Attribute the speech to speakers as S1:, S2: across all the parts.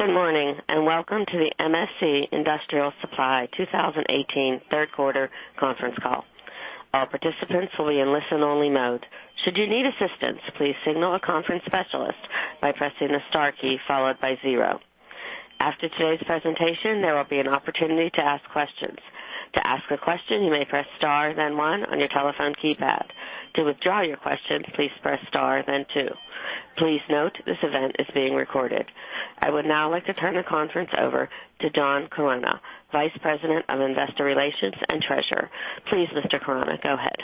S1: Good morning, and welcome to the MSC Industrial Direct Co. 2018 third quarter conference call. All participants will be in listen-only mode. Should you need assistance, please signal a conference specialist by pressing the star key followed by 0. After today's presentation, there will be an opportunity to ask questions. To ask a question, you may press star then one on your telephone keypad. To withdraw your question, please press star then two. Please note this event is being recorded. I would now like to turn the conference over to John Chironna, Vice President, Investor Relations and Treasurer. Please, Mr. Chironna, go ahead.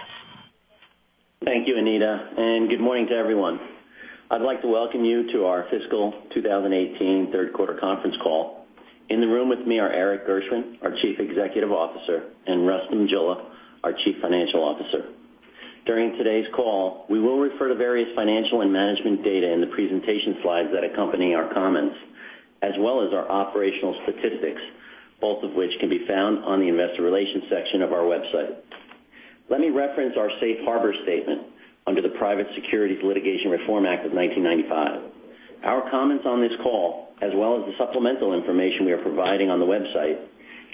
S2: Thank you, Anita, and good morning to everyone. I'd like to welcome you to our fiscal 2018 third quarter conference call. In the room with me are Erik Gershwind, our Chief Executive Officer, and Rustom Jilla, our Chief Financial Officer. During today's call, we will refer to various financial and management data in the presentation slides that accompany our comments, as well as our operational statistics, both of which can be found on the investor relations section of our website. Let me reference our safe harbor statement under the Private Securities Litigation Reform Act of 1995. Our comments on this call, as well as the supplemental information we are providing on the website,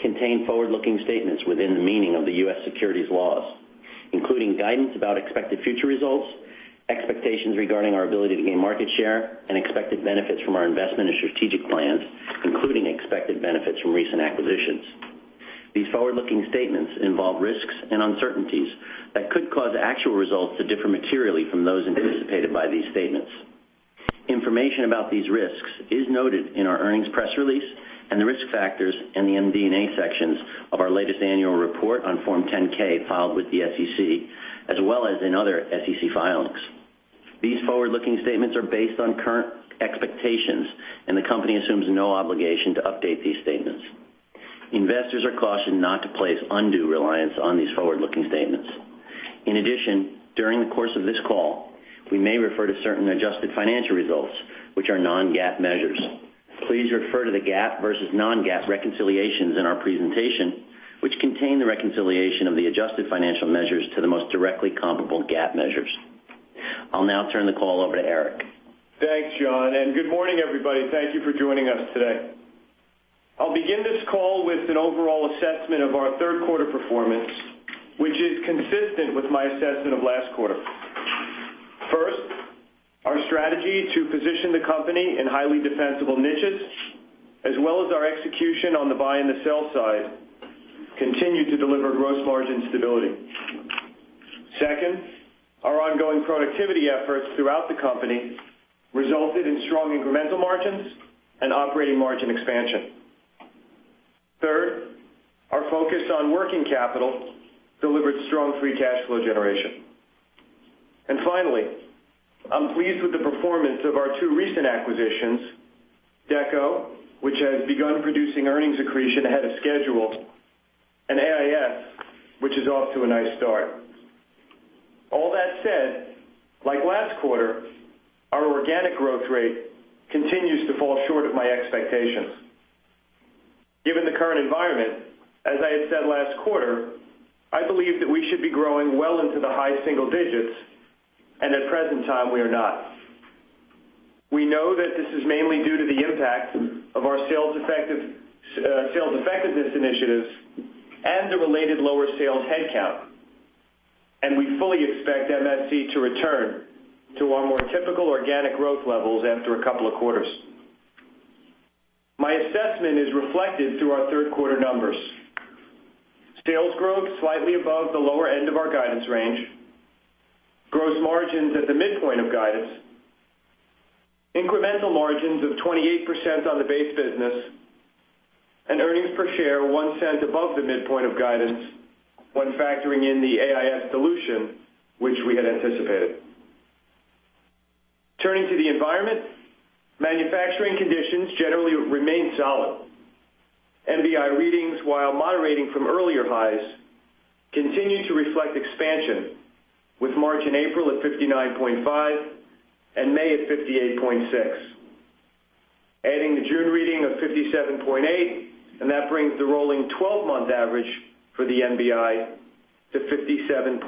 S2: contain forward-looking statements within the meaning of the U.S. securities laws, including guidance about expected future results, expectations regarding our ability to gain market share, and expected benefits from our investment and strategic plans, including expected benefits from recent acquisitions. These forward-looking statements involve risks and uncertainties that could cause actual results to differ materially from those anticipated by these statements. Information about these risks is noted in our earnings press release and the risk factors in the MD&A sections of our latest annual report on Form 10-K filed with the SEC, as well as in other SEC filings. These forward-looking statements are based on current expectations, and the company assumes no obligation to update these statements. Investors are cautioned not to place undue reliance on these forward-looking statements. In addition, during the course of this call, we may refer to certain adjusted financial results, which are non-GAAP measures. Please refer to the GAAP versus non-GAAP reconciliations in our presentation, which contain the reconciliation of the adjusted financial measures to the most directly comparable GAAP measures. I'll now turn the call over to Erik.
S3: Thanks, John, good morning, everybody. Thank you for joining us today. I'll begin this call with an overall assessment of our third quarter performance, which is consistent with my assessment of last quarter. First, our strategy to position the company in highly defensible niches, as well as our execution on the buy and the sell side, continued to deliver gross margin stability. Second, our ongoing productivity efforts throughout the company resulted in strong incremental margins and operating margin expansion. Third, our focus on working capital delivered strong free cash flow generation. Finally, I'm pleased with the performance of our two recent acquisitions, Deco, which has begun producing earnings accretion ahead of schedule, and AIS, which is off to a nice start. All that said, like last quarter, our organic growth rate continues to fall short of my expectations. Given the current environment, as I had said last quarter, I believe that we should be growing well into the high single digits, at present time, we are not. We know that this is mainly due to the impact of our sales effectiveness initiatives and the related lower sales headcount, we fully expect MSC to return to our more typical organic growth levels after a couple of quarters. My assessment is reflected through our third quarter numbers. Sales growth slightly above the lower end of our guidance range, gross margins at the midpoint of guidance, incremental margins of 28% on the base business, earnings per share $0.01 above the midpoint of guidance when factoring in the AIS dilution, which we had anticipated. Turning to the environment, manufacturing conditions generally remained solid. MBI readings, while moderating from earlier highs, continue to reflect expansion with March and April at 59.5 and May at 58.6. Adding the June reading of 57.8, that brings the rolling 12-month average for the MBI to 57.6,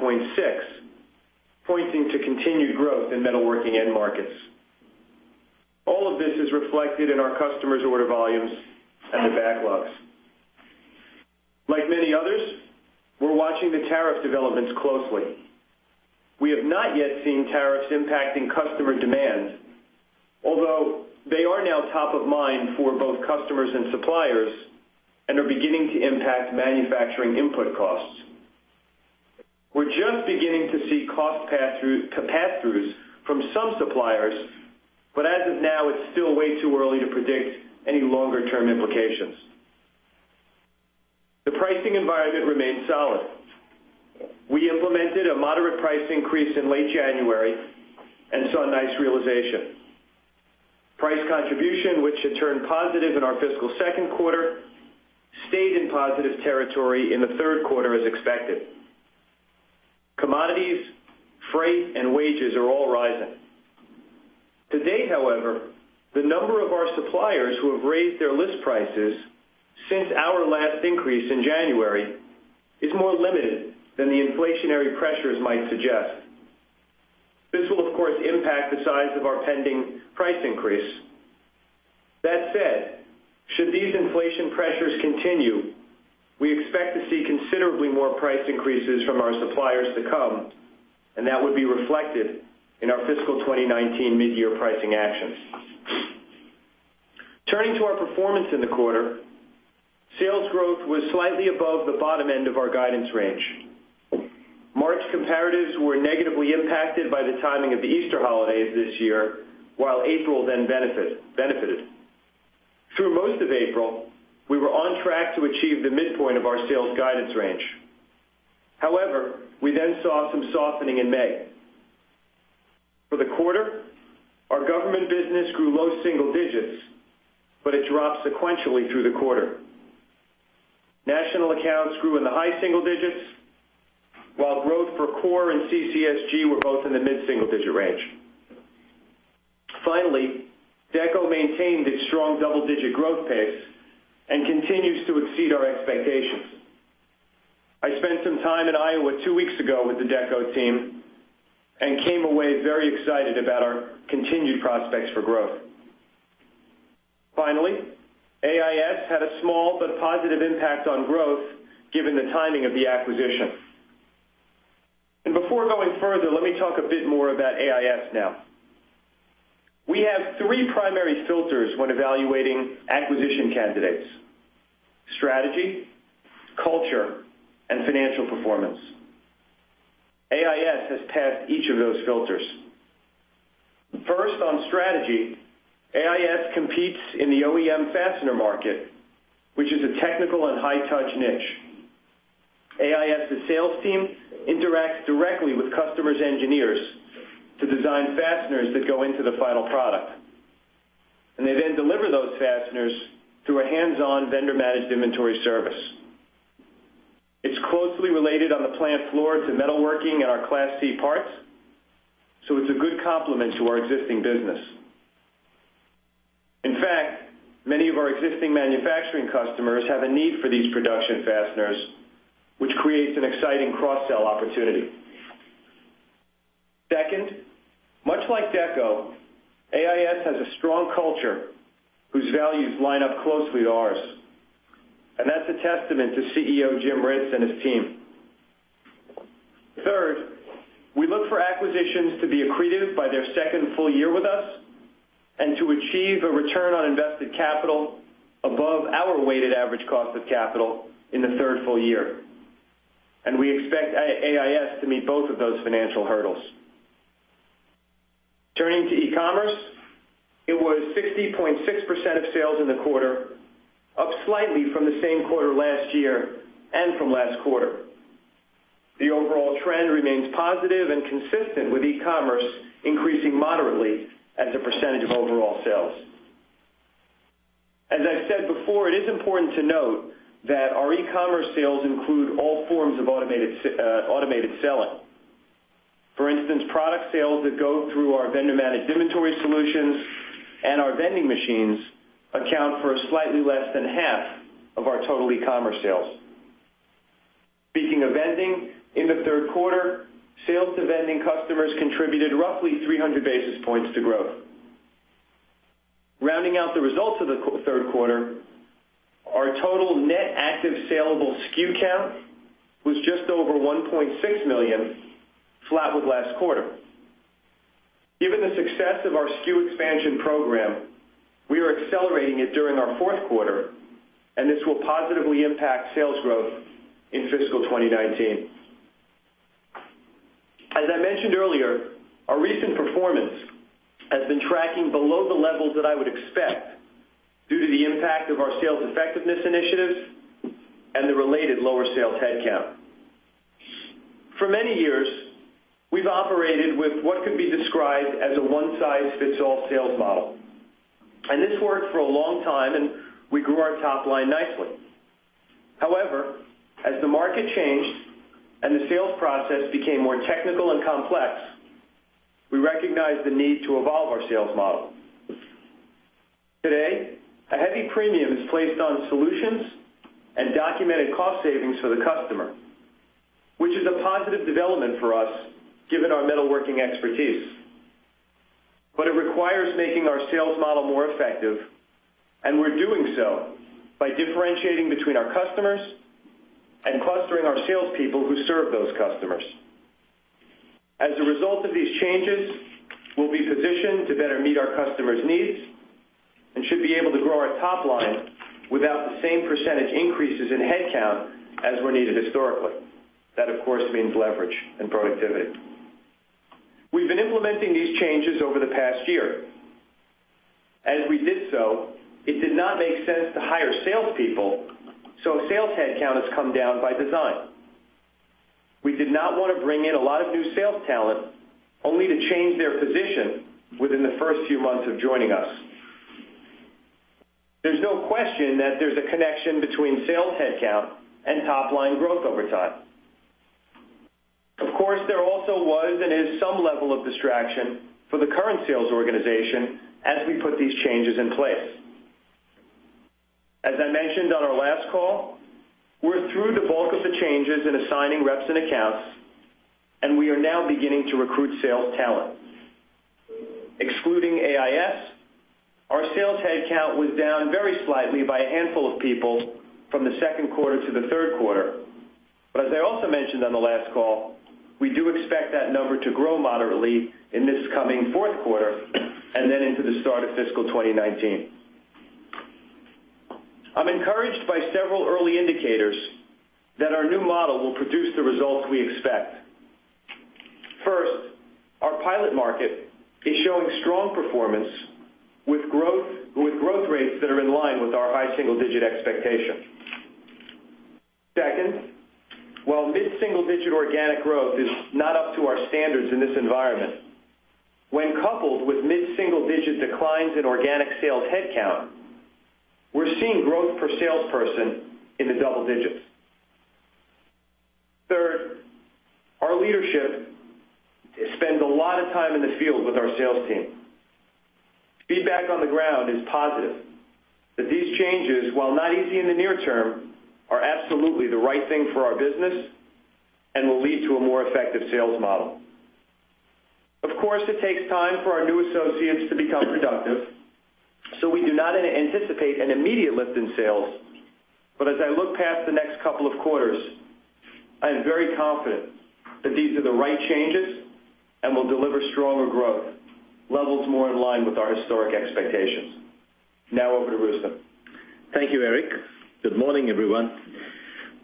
S3: pointing to continued growth in metalworking end markets. All of this is reflected in our customers' order volumes and the backlogs. Like many others, we're watching the tariff developments closely. We have not yet seen tariffs impacting customer demand, although they are now top of mind for both customers and suppliers and are beginning to impact manufacturing input costs. We're just beginning to see cost pass-throughs from some suppliers, as of now, it's still way too early to predict any longer-term implications. The pricing environment remains solid. We implemented a moderate price increase in late January and saw nice realization. Price contribution, which had turned positive in our fiscal second quarter, stayed in positive territory in the third quarter as expected. Commodities, freight, and wages are all rising. To date, however, the number of our suppliers who have raised their list prices since our last increase in January is more limited than the inflationary pressures might suggest. This will, of course, impact the size of our pending price increase. That said, should these inflation pressures continue, we expect to see considerably more price increases from our suppliers to come, that would be reflected in our fiscal 2019 mid-year pricing actions. Turning to our performance in the quarter, sales growth was slightly above the bottom end of our guidance range. March comparatives were negatively impacted by the timing of the Easter holidays this year, while April then benefited. Through most of April, we were on track to achieve the midpoint of our sales guidance range. We then saw some softening in May. For the quarter, our government business grew low single digits, but it dropped sequentially through the quarter. National accounts grew in the high single digits, while growth for core and CCSG were both in the mid-single-digit range. DECO maintained its strong double-digit growth pace and continues to exceed our expectations. I spent some time in Iowa two weeks ago with the DECO team and came away very excited about our continued prospects for growth. AIS had a small but positive impact on growth given the timing of the acquisition. Before going further, let me talk a bit more about AIS now. We have three primary filters when evaluating acquisition candidates: strategy, culture, and financial performance. AIS has passed each of those filters. First, on strategy, AIS competes in the OEM fastener market, which is a technical and high-touch niche. AIS's sales team interacts directly with customers' engineers to design fasteners that go into the final product. They then deliver those fasteners through a hands-on vendor-managed inventory service. It's closely related on the plant floor to metalworking and our Class C parts, so it's a good complement to our existing business. In fact, many of our existing manufacturing customers have a need for these production fasteners, which creates an exciting cross-sell opportunity. Second, much like DECO, AIS has a strong culture whose values line up closely to ours, and that's a testament to CEO Jim Renz and his team. Third, we look for acquisitions to be accretive by their second full year with us and to achieve a return on invested capital above our weighted average cost of capital in the third full year. We expect AIS to meet both of those financial hurdles. Turning to e-commerce, it was 60.6% of sales in the quarter, up slightly from the same quarter last year and from last quarter. The overall trend remains positive and consistent with e-commerce increasing moderately as a percentage of overall sales. As I've said before, it is important to note that our e-commerce sales include all forms of automated selling. For instance, product sales that go through our vendor-managed inventory solutions and our vending machines account for slightly less than half of our total e-commerce sales. Speaking of vending, in the third quarter, sales to vending customers contributed roughly 300 basis points to growth. Rounding out the results of the third quarter, our total net active salable SKU count was just over 1.6 million, flat with last quarter. Given the success of our SKU expansion program, we are accelerating it during our fourth quarter. This will positively impact sales growth in fiscal 2019. As I mentioned earlier, our recent performance has been tracking below the levels that I would expect due to the impact of our sales effectiveness initiatives and the related lower sales headcount. For many years, we've operated with what could be described as a one-size-fits-all sales model. This worked for a long time, and we grew our top line nicely. As the market changed and the sales process became more technical and complex, we recognized the need to evolve our sales model. Today, a heavy premium is placed on solutions and documented cost savings for the customer, which is a positive development for us given our metalworking expertise. It requires making our sales model more effective, and we're doing so by differentiating between our customers and clustering our salespeople who serve those customers. As a result of these changes, we'll be positioned to better meet our customers' needs and should be able to grow our top line without the same percentage increases in headcount as were needed historically. That, of course, means leverage and productivity. We've been implementing these changes over the past year. As we did so, it did not make sense to hire salespeople, so sales headcount has come down by design. We did not want to bring in a lot of new sales talent only to change their position within the first few months of joining us. There's no question that there's a connection between sales headcount and top-line growth over time. Of course, there also was and is some level of distraction for the current sales organization as we put these changes in place. Changes in assigning reps and accounts, and we are now beginning to recruit sales talent. Excluding AIS, our sales headcount was down very slightly by a handful of people from the second quarter to the third quarter. As I also mentioned on the last call, we do expect that number to grow moderately in this coming fourth quarter and then into the start of fiscal 2019. I'm encouraged by several early indicators that our new model will produce the results we expect. First, our pilot market is showing strong performance with growth rates that are in line with our high single-digit expectation. Second, while mid-single-digit organic growth is not up to our standards in this environment, when coupled with mid-single-digit declines in organic sales headcount, we're seeing growth per salesperson in the double digits. Third, our leadership spends a lot of time in the field with our sales team. Feedback on the ground is positive that these changes, while not easy in the near term, are absolutely the right thing for our business and will lead to a more effective sales model. Of course, it takes time for our new associates to become productive, so we do not anticipate an immediate lift in sales. As I look past the next couple of quarters, I am very confident that these are the right changes and will deliver stronger growth levels more in line with our historic expectations. Now over to Rustom.
S4: Thank you, Erik. Good morning, everyone.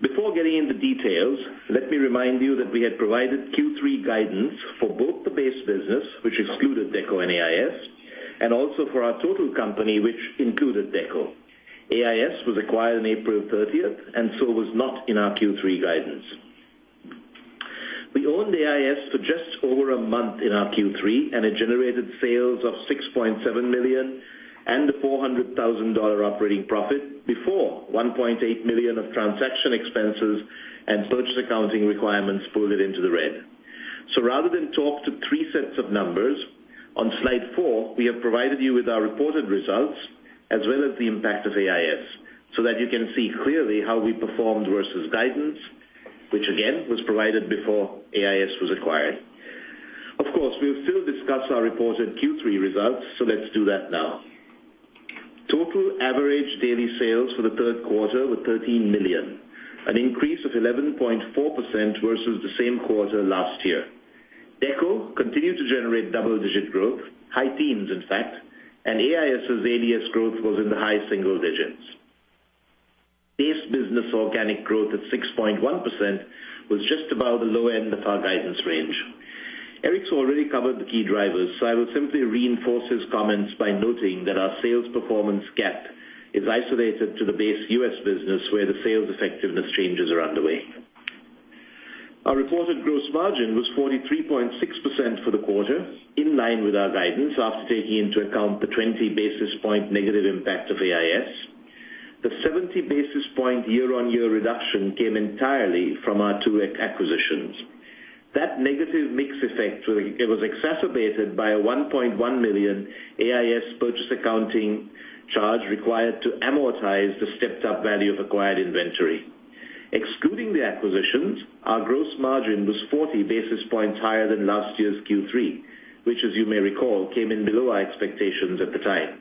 S4: Before getting into details, let me remind you that we had provided Q3 guidance for both the base business, which excluded DECO and AIS, and also for our total company, which included DECO. AIS was acquired on April 30th and was not in our Q3 guidance. We owned AIS for just over a month in our Q3, and it generated sales of $6.7 million and a $400,000 operating profit before $1.8 million of transaction expenses and purchase accounting requirements pulled it into the red. Rather than talk to three sets of numbers, on slide four, we have provided you with our reported results as well as the impact of AIS so that you can see clearly how we performed versus guidance, which again, was provided before AIS was acquired. We will still discuss our reported Q3 results. Let's do that now. Total average daily sales for the third quarter were $13 million, an increase of 11.4% versus the same quarter last year. DECO continued to generate double-digit growth, high teens, in fact. AIS's ADS growth was in the high single digits. Base business organic growth at 6.1% was just above the low end of our guidance range. Erik's already covered the key drivers. I will simply reinforce his comments by noting that our sales performance gap is isolated to the base U.S. business where the sales effectiveness changes are underway. Our reported gross margin was 43.6% for the quarter, in line with our guidance after taking into account the 20 basis point negative impact of AIS. The 70 basis point year-on-year reduction came entirely from our two acquisitions. That negative mix effect was exacerbated by a $1.1 million AIS purchase accounting charge required to amortize the stepped-up value of acquired inventory. Excluding the acquisitions, our gross margin was 40 basis points higher than last year's Q3, which as you may recall, came in below our expectations at the time.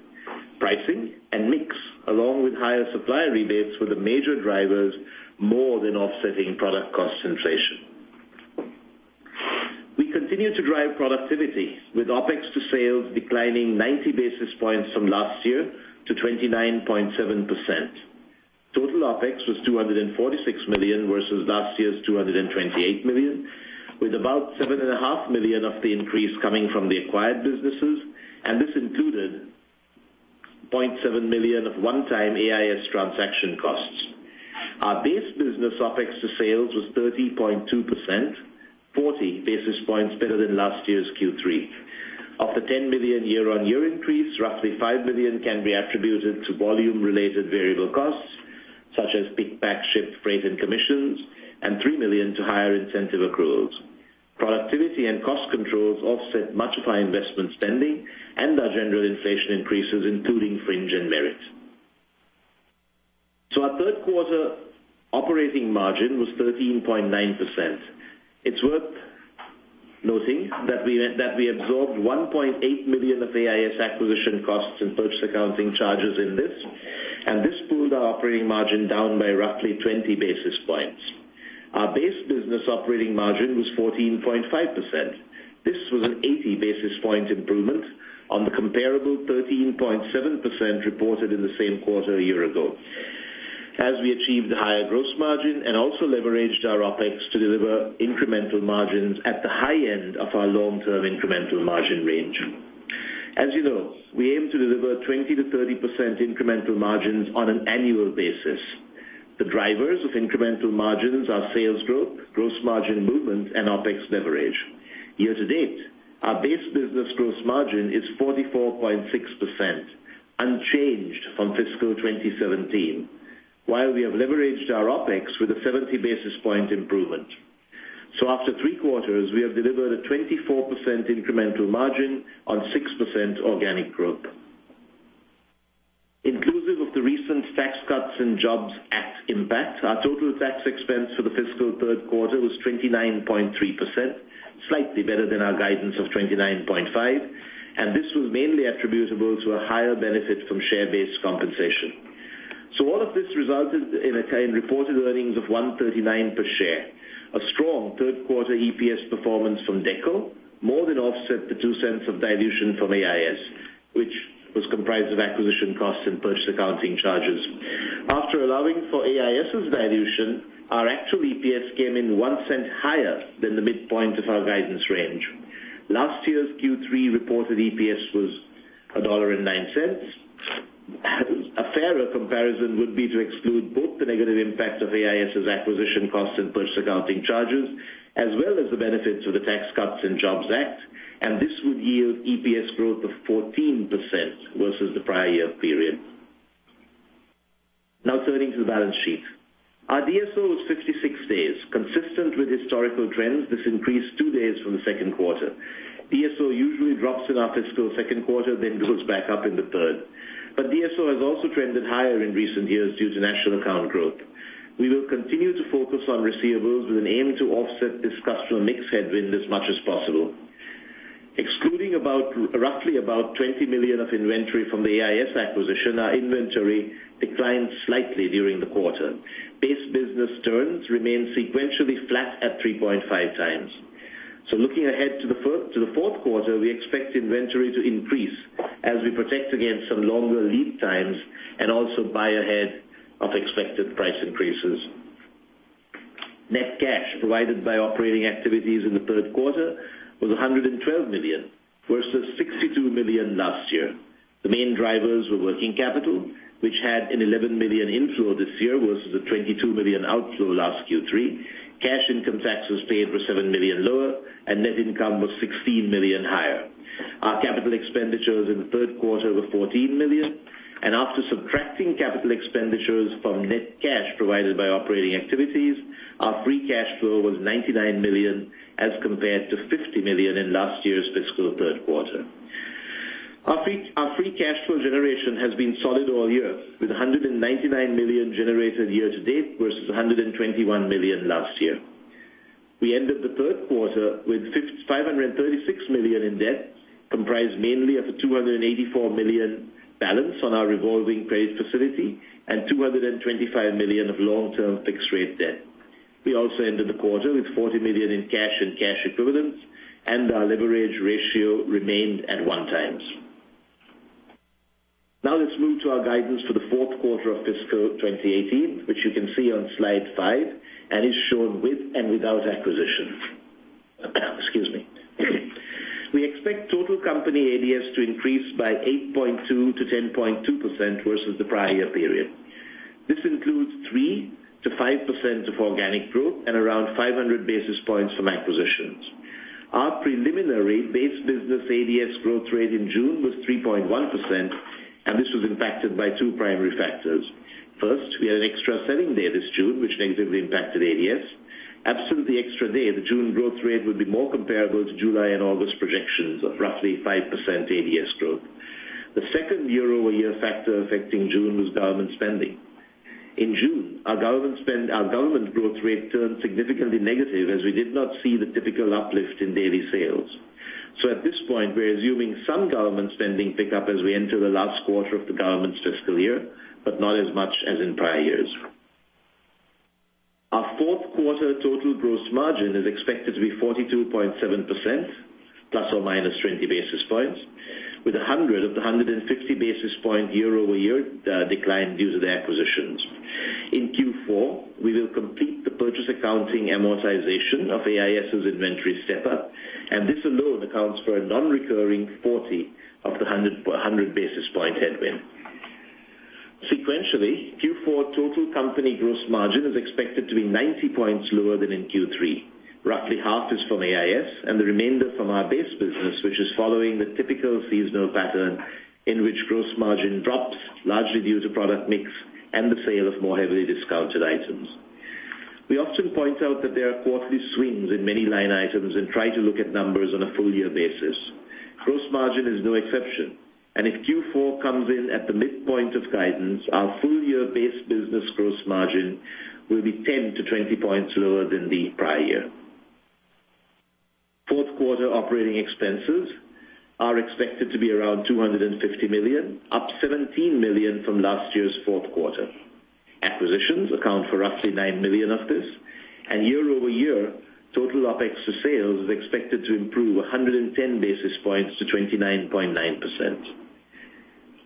S4: Pricing and mix, along with higher supplier rebates, were the major drivers, more than offsetting product cost inflation. We continue to drive productivity with OpEx to sales declining 90 basis points from last year to 29.7%. Total OpEx was $246 million versus last year's $228 million, with about $7.5 million of the increase coming from the acquired businesses. This included $0.7 million of one-time AIS transaction costs. Our base business OpEx to sales was 30.2%, 40 basis points better than last year's Q3. Of the $10 million year-on-year increase, roughly $5 million can be attributed to volume-related variable costs, such as pick, pack, ship, freight, and commissions, and $3 million to higher incentive accruals. Productivity and cost controls offset much of our investment spending and our general inflation increases, including fringe and merit. Our third quarter operating margin was 13.9%. It's worth noting that we absorbed $1.8 million of AIS acquisition costs and purchase accounting charges in this. This pulled our operating margin down by roughly 20 basis points. Our base business operating margin was 14.5%. This was an 80 basis point improvement on the comparable 13.7% reported in the same quarter a year ago as we achieved a higher gross margin and also leveraged our OpEx to deliver incremental margins at the high end of our long-term incremental margin range. As you know, we aim to deliver 20%-30% incremental margins on an annual basis. The drivers of incremental margins are sales growth, gross margin movement, and OpEx leverage. Year to date, our base business gross margin is 44.6%, unchanged from fiscal 2017, while we have leveraged our OpEx with a 70 basis point improvement. After three quarters, we have delivered a 24% incremental margin on 6% organic growth. Of the recent Tax Cuts and Jobs Act impact, our total tax expense for the fiscal third quarter was 29.3%, slightly better than our guidance of 29.5%. This was mainly attributable to a higher benefit from share-based compensation. All of this resulted in reported earnings of $1.39 per share. A strong third quarter EPS performance from DECO more than offset the $0.02 of dilution from AIS, which was comprised of acquisition costs and purchase accounting charges. After allowing for AIS's dilution, our actual EPS came in $0.01 higher than the midpoint of our guidance range. Last year's Q3 reported EPS was $1.09. A fairer comparison would be to exclude both the negative impact of AIS's acquisition costs and purchase accounting charges, as well as the benefits of the Tax Cuts and Jobs Act, and this would yield EPS growth of 14% versus the prior year period. Turning to the balance sheet. Our DSO was 56 days. Consistent with historical trends, this increased two days from the second quarter. DSO usually drops in our fiscal second quarter, then goes back up in the third. DSO has also trended higher in recent years due to national account growth. We will continue to focus on receivables with an aim to offset this customer mix headwind as much as possible. Excluding roughly about $20 million of inventory from the AIS acquisition, our inventory declined slightly during the quarter. Base business turns remained sequentially flat at 3.5 times. Looking ahead to the fourth quarter, we expect inventory to increase as we protect against some longer lead times and also buy ahead of expected price increases. Net cash provided by operating activities in the third quarter was $112 million versus $62 million last year. The main drivers were working capital, which had an $11 million inflow this year versus the $22 million outflow last Q3. Cash income taxes paid were $7 million lower, and net income was $16 million higher. Our capital expenditures in the third quarter were $14 million, and after subtracting capital expenditures from net cash provided by operating activities, our free cash flow was $99 million as compared to $50 million in last year's fiscal third quarter. Our free cash flow generation has been solid all year, with $199 million generated year-to-date versus $121 million last year. We ended the third quarter with $536 million in debt, comprised mainly of a $284 million balance on our revolving credit facility and $225 million of long-term fixed rate debt. We also ended the quarter with $40 million in cash and cash equivalents, and our leverage ratio remained at one times. Let's move to our guidance for the fourth quarter of fiscal 2018, which you can see on slide five and is shown with and without acquisition. Excuse me. We expect total company ADS to increase by 8.2%-10.2% versus the prior year period. This includes 3%-5% of organic growth and around 500 basis points from acquisitions. Our preliminary base business ADS growth rate in June was 3.1%, and this was impacted by two primary factors. First, we had an extra selling day this June, which negatively impacted ADS. Absent the extra day, the June growth rate would be more comparable to July and August projections of roughly 5% ADS growth. The second year-over-year factor affecting June was government spending. In June, our government growth rate turned significantly negative as we did not see the typical uplift in daily sales. At this point, we're assuming some government spending pickup as we enter the last quarter of the government's fiscal year, but not as much as in prior years. Our fourth quarter total gross margin is expected to be 42.7%, ±20 basis points, with 100 of the 150 basis point year-over-year decline due to the acquisitions. In Q4, we will complete the purchase accounting amortization of AIS's inventory step-up. This alone accounts for a non-recurring 40 of the 100 basis point headwind. Sequentially, Q4 total company gross margin is expected to be 90 points lower than in Q3. Roughly half is from AIS and the remainder from our base business, which is following the typical seasonal pattern in which gross margin drops largely due to product mix and the sale of more heavily discounted items. We often point out that there are quarterly swings in many line items and try to look at numbers on a full year basis. Gross margin is no exception. If Q4 comes in at the midpoint of guidance, our full year base business gross margin will be 10 to 20 points lower than the prior year. Fourth quarter operating expenses are expected to be around $250 million, up $17 million from last year's fourth quarter. Acquisitions account for roughly $9 million of this. Year-over-year, total OPEX to sales is expected to improve 110 basis points to 29.9%.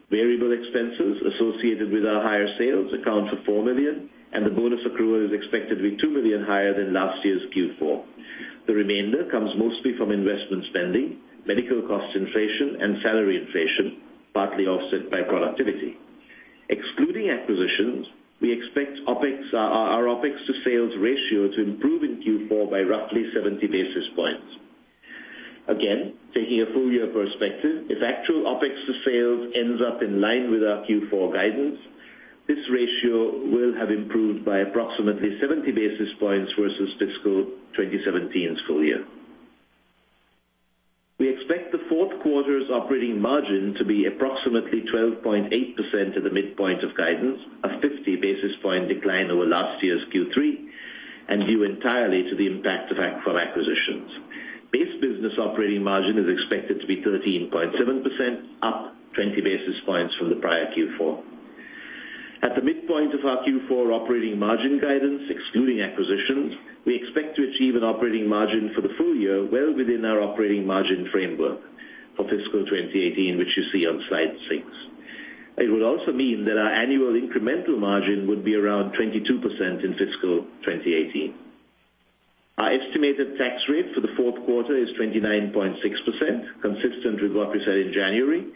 S4: Variable expenses associated with our higher sales account for $4 million. The bonus accrual is expected to be $2 million higher than last year's Q4. The remainder comes mostly from investment spending, medical cost inflation, and salary inflation, partly offset by productivity. Excluding acquisitions, we expect our OPEX to sales ratio to improve in Q4 by roughly 70 basis points. Again, taking a full year perspective, if actual OPEX to sales ends up in line with our Q4 guidance, this ratio will have improved by approximately 70 basis points versus fiscal 2017's full year. We expect the fourth quarter's operating margin to be approximately 12.8% at the midpoint of guidance, a 50 basis point decline over last year's Q3, due entirely to the impact of acquisitions. Base business operating margin is expected to be 13.7%, up 20 basis points from the prior Q4. At the midpoint of our Q4 operating margin guidance, excluding acquisitions, we expect to achieve an operating margin for the full year well within our operating margin framework for fiscal 2018, which you see on slide six. It would also mean that our annual incremental margin would be around 22% in fiscal 2018. Our estimated tax rate for the fourth quarter is 29.6%, consistent with what we said in January.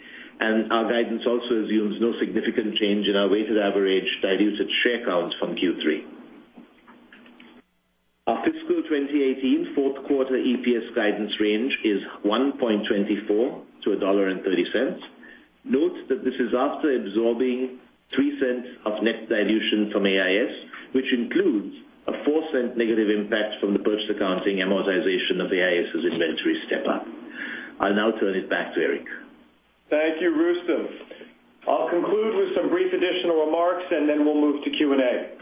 S4: Our guidance also assumes no significant change in our weighted average diluted share count from Q3. Our fiscal 2018 fourth quarter EPS guidance range is $1.24 to $1.30. Note that this is after absorbing $0.03 of net dilution from AIS, which includes a $0.04 negative impact from the purchase accounting amortization of AIS's inventory step-up. I'll now turn it back to Erik.
S3: Thank you, Rustom. I'll conclude with some brief additional remarks and then we'll move to Q&A.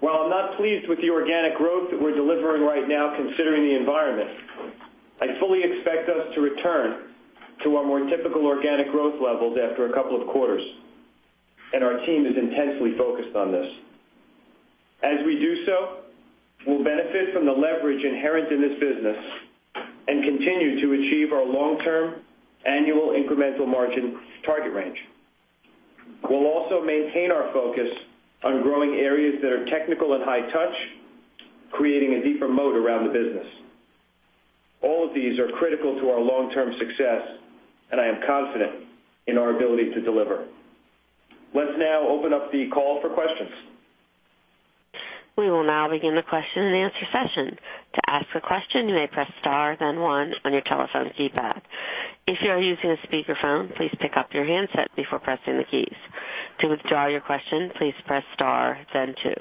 S3: While I'm not pleased with the organic growth that we're delivering right now, considering the environment, I fully expect us to return to our more typical organic growth levels after a couple of quarters, and our team is intensely focused on this. As we do so, we'll benefit from the leverage inherent in this business and continue to achieve our long-term annual incremental margin target range. We'll also maintain our focus on growing areas that are technical and high touch, creating a deeper moat around the business. All of these are critical to our long-term success, and I am confident in our ability to deliver. Let's now open up the call for questions.
S1: We will now begin the question and answer session. To ask a question, you may press star then one on your telephone keypad. If you are using a speakerphone, please pick up your handset before pressing the keys. To withdraw your question, please press star then two.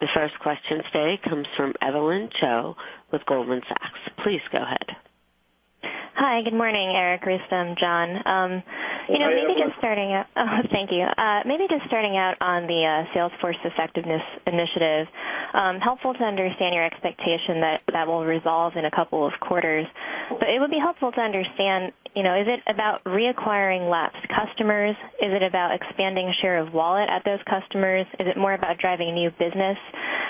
S1: The first question today comes from Evelyn Chou with Goldman Sachs. Please go ahead.
S5: Hi. Good morning, Erik, Rustom, John.
S3: Hey, Evelyn.
S5: Thank you. Maybe just starting out on the Salesforce effectiveness initiative. Helpful to understand your expectation that that will resolve in a couple of quarters. Is it about reacquiring lapsed customers? Is it about expanding share of wallet at those customers? Is it more about driving new business?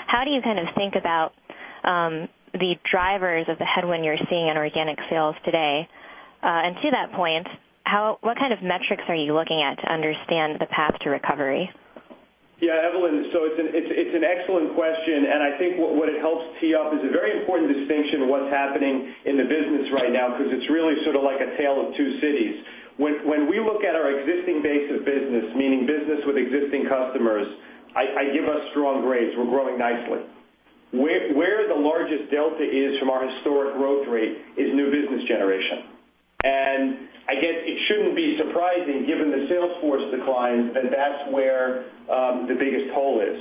S5: How do you kind of think about the drivers of the headwind you're seeing in organic sales today? To that point, what kind of metrics are you looking at to understand the path to recovery?
S3: Yeah, Evelyn. It's an excellent question, and I think what it helps tee up is a very important distinction of what's happening in the business right now, because it's really sort of like a tale of two cities. When we look at our existing base of business, meaning business with existing customers, I give us strong grades. We're growing nicely. Where the largest delta is from our historic growth rate is new business generation. I guess it shouldn't be surprising given the Salesforce decline that that's where the biggest toll is.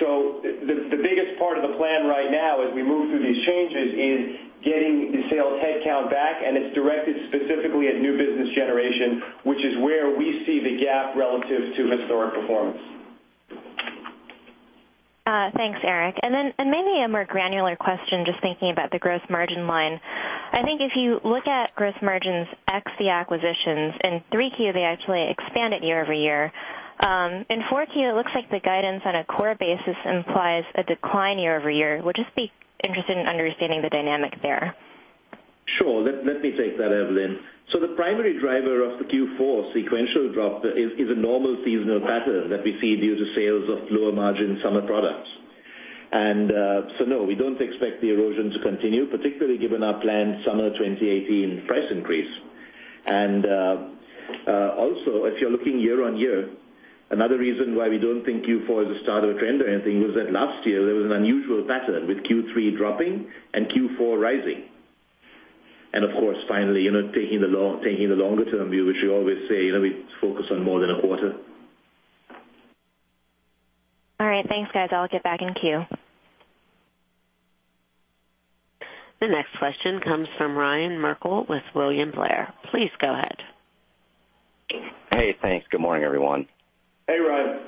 S3: The biggest part of the plan right now as we move through these changes is getting the sales headcount back, and it's directed specifically at new business generation, which is where we see the gap relative to historic performance.
S5: Thanks, Erik. Then maybe a more granular question, just thinking about the gross margin line. I think if you look at gross margins ex the acquisitions, in 3Q they actually expanded year-over-year. In 4Q, it looks like the guidance on a core basis implies a decline year-over-year. Would just be interested in understanding the dynamic there.
S4: Sure. Let me take that, Evelyn. The primary driver of the 4Q sequential drop is a normal seasonal pattern that we see due to sales of lower margin summer products. We don't expect the erosion to continue, particularly given our planned summer 2018 price increase. Also, if you're looking year on year, another reason why we don't think 4Q is the start of a trend or anything was that last year there was an unusual pattern with 3Q dropping and 4Q rising. Of course, finally, taking the longer-term view, which we always say, we focus on more than a quarter.
S5: All right. Thanks, guys. I'll get back in queue.
S1: The next question comes from Ryan Merkel with William Blair. Please go ahead.
S6: Hey, thanks. Good morning, everyone.
S3: Hey, Ryan.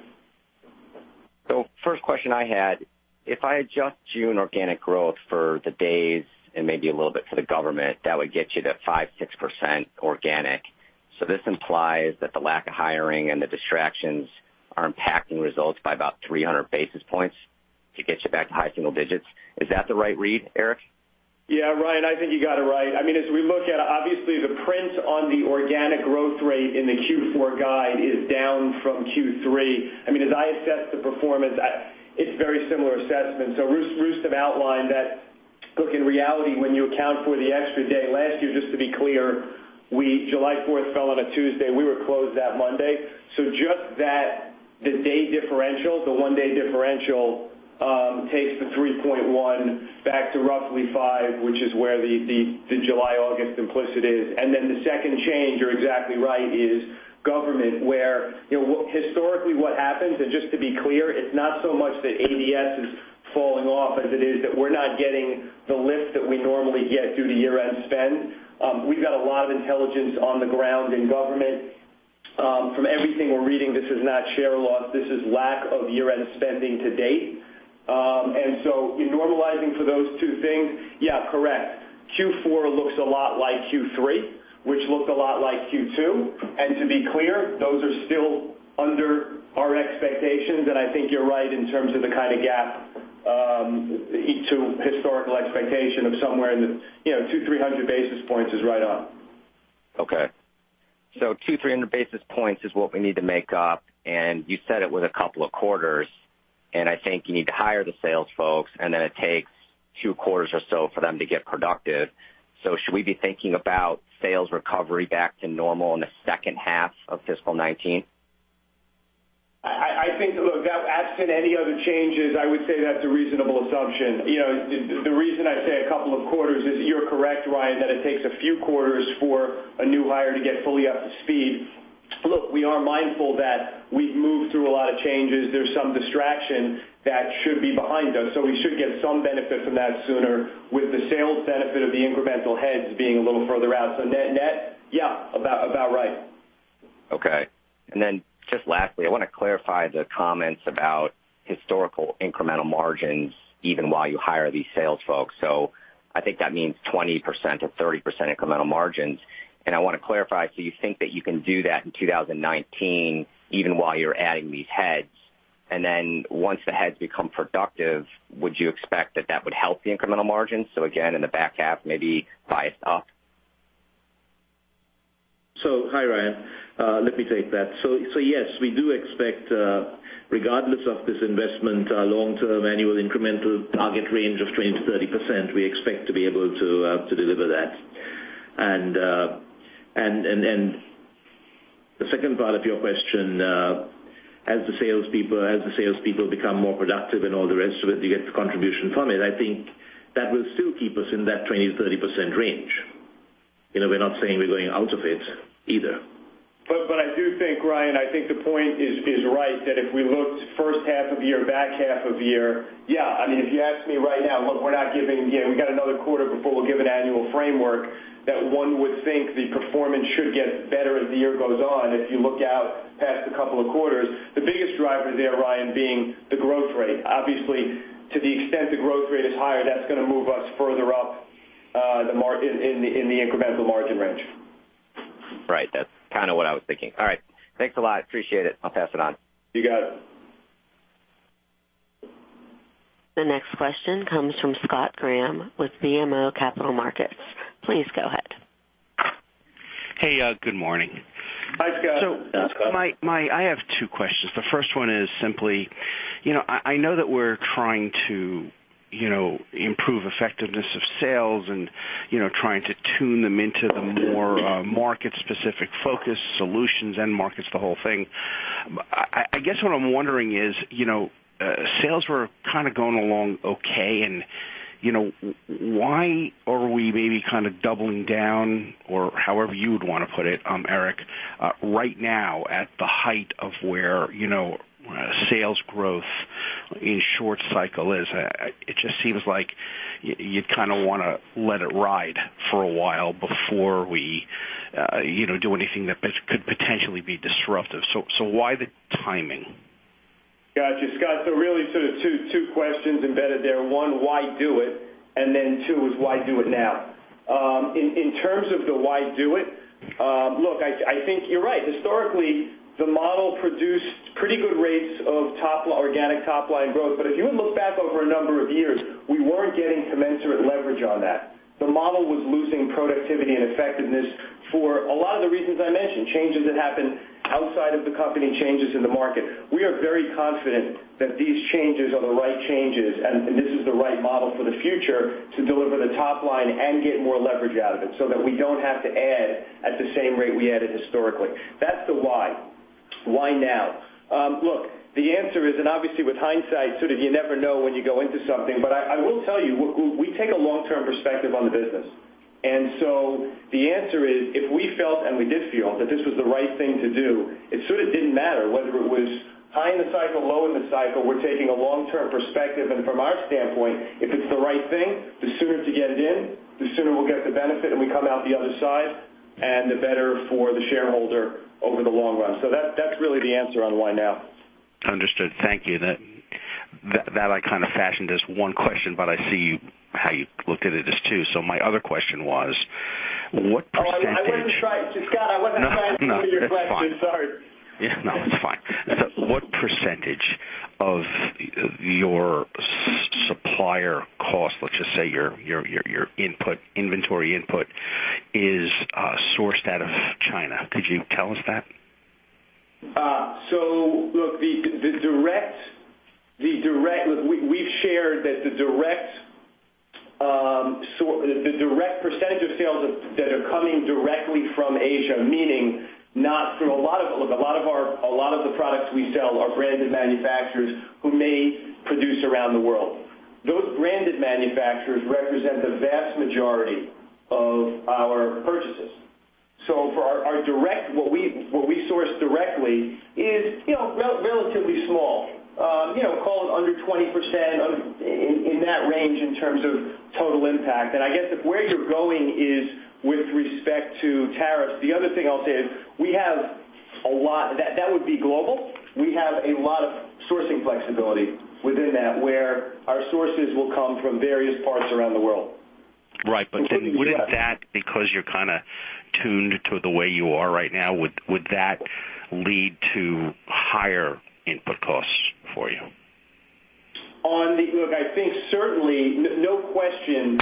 S6: First question I had, if I adjust June organic growth for the days and maybe a little bit for the government, that would get you to 5%-6% organic. This implies that the lack of hiring and the distractions are impacting results by about 300 basis points to get you back to high single digits. Is that the right read, Erik?
S3: Yeah, Ryan, I think you got it right. As we look at it, obviously the print on the organic growth rate in the Q4 guide is down from Q3. As I assess the performance, it's very similar assessment. Rustom outlined that, look, in reality, when you account for the extra day last year, just to be clear, July 4th fell on a Tuesday. We were closed that Monday. Just the day differential, the one-day differential takes the 3.1 back to roughly five, which is where the July, August implicit is. The second change, you're exactly right, is government where historically what happens, and just to be clear, it's not so much that ADS has fallen that we're not getting the lift that we normally get due to year-end spend. We've got a lot of intelligence on the ground in government. From everything we're reading, this is not share loss, this is lack of year-end spending to date. In normalizing for those two things, yeah, correct. Q4 looks a lot like Q3, which looked a lot like Q2. To be clear, those are still under our expectations, and I think you're right in terms of the kind of gap to historical expectation of somewhere in the 200-300 basis points is right on.
S6: Okay. 200-300 basis points is what we need to make up, and you said it was a couple of quarters, and I think you need to hire the sales folks, and then it takes two quarters or so for them to get productive. Should we be thinking about sales recovery back to normal in the second half of fiscal 2019?
S3: I think, look, absent any other changes, I would say that's a reasonable assumption. The reason I say a couple of quarters is you're correct, Ryan, that it takes a few quarters for a new hire to get fully up to speed. We are mindful that we've moved through a lot of changes. There's some distraction that should be behind us, so we should get some benefit from that sooner, with the sales benefit of the incremental heads being a little further out. Net, yeah. About right.
S6: Okay. Lastly, I want to clarify the comments about historical incremental margins, even while you hire these sales folks. I think that means 20% or 30% incremental margins. I want to clarify, you think that you can do that in 2019, even while you're adding these heads? Then once the heads become productive, would you expect that that would help the incremental margins? Again, in the back half, maybe biased up.
S4: Hi, Ryan. Let me take that. Yes, we do expect, regardless of this investment, our long-term annual incremental target range of 20% to 30%, we expect to be able to deliver that. The second part of your question, as the salespeople become more productive and all the rest of it, you get the contribution from it, I think that will still keep us in that 20% to 30% range. We're not saying we're going out of it either.
S3: I do think, Ryan, I think the point is right, that if we looked first half of the year, back half of the year, yeah. If you ask me right now, we're not giving, we've got another quarter before we'll give an annual framework that one would think the performance should get better as the year goes on if you look out past a couple of quarters. The biggest driver there, Ryan, being the growth rate. Obviously, to the extent the growth rate is higher, that's going to move us further up in the incremental margin range.
S6: Right. That's kind of what I was thinking. All right. Thanks a lot. Appreciate it. I'll pass it on.
S3: You got it.
S1: The next question comes from Scott Graham with BMO Capital Markets. Please go ahead.
S7: Hey, good morning.
S3: Hi, Scott.
S4: Hi, Scott.
S7: I have two questions. The first one is simply, I know that we're trying to improve effectiveness of sales and trying to tune them into the more market-specific focus, solutions, end markets, the whole thing. I guess what I'm wondering is, sales were kind of going along okay, and why are we maybe kind of doubling down, or however you would want to put it, Erik, right now at the height of where sales growth in short cycle is? It just seems like you'd kind of want to let it ride for a while before we do anything that could potentially be disruptive. Why the timing?
S3: Got you, Scott. Really sort of two questions embedded there. One, why do it? Two is why do it now? In terms of the why do it, look, I think you're right. Historically, the model produced pretty good rates of organic top-line growth. If you look back over a number of years, we weren't getting commensurate leverage on that. The model was losing productivity and effectiveness for a lot of the reasons I mentioned, changes that happened outside of the company, changes in the market. We are very confident that these changes are the right changes, and this is the right model for the future to deliver the top line and get more leverage out of it so that we don't have to add at the same rate we added historically. That's the why. Why now? Look, the answer is, and obviously with hindsight, sort of you never know when you go into something, but I will tell you, we take a long-term perspective on the business. The answer is, if we felt, and we did feel, that this was the right thing to do, it sort of didn't matter whether it was high in the cycle, low in the cycle. We're taking a long-term perspective, and from our standpoint, if it's the right thing, the sooner to get it in, the sooner we'll get the benefit and we come out the other side, and the better for the shareholder over the long run. That's really the answer on why now.
S7: Understood. Thank you. That I kind of fashioned as one question, but I see how you looked at it as two. My other question was, what percentage-
S3: Scott, I wasn't trying to give you your question. Sorry.
S7: No, that's fine. What % of your supplier cost, let's just say your inventory input, is sourced out of China? Could you tell us that?
S3: Look, we've shared that the direct percentage of sales that are coming directly from Asia, meaning not through a lot of the products we sell are branded manufacturers who may produce around the world. Those branded manufacturers represent the vast majority of our purchases. For what we source directly is relatively small. Call it under 20%, in that range in terms of total impact. I guess if where you're going is with respect to tariffs, the other thing I'll say is we have a lot. That would be global. We have a lot of sourcing flexibility within that, where our sources will come from various parts around the world.
S7: Right. Wouldn't that, because you're kind of tuned to the way you are right now, would that lead to higher input costs for you?
S3: Look, I think certainly, no question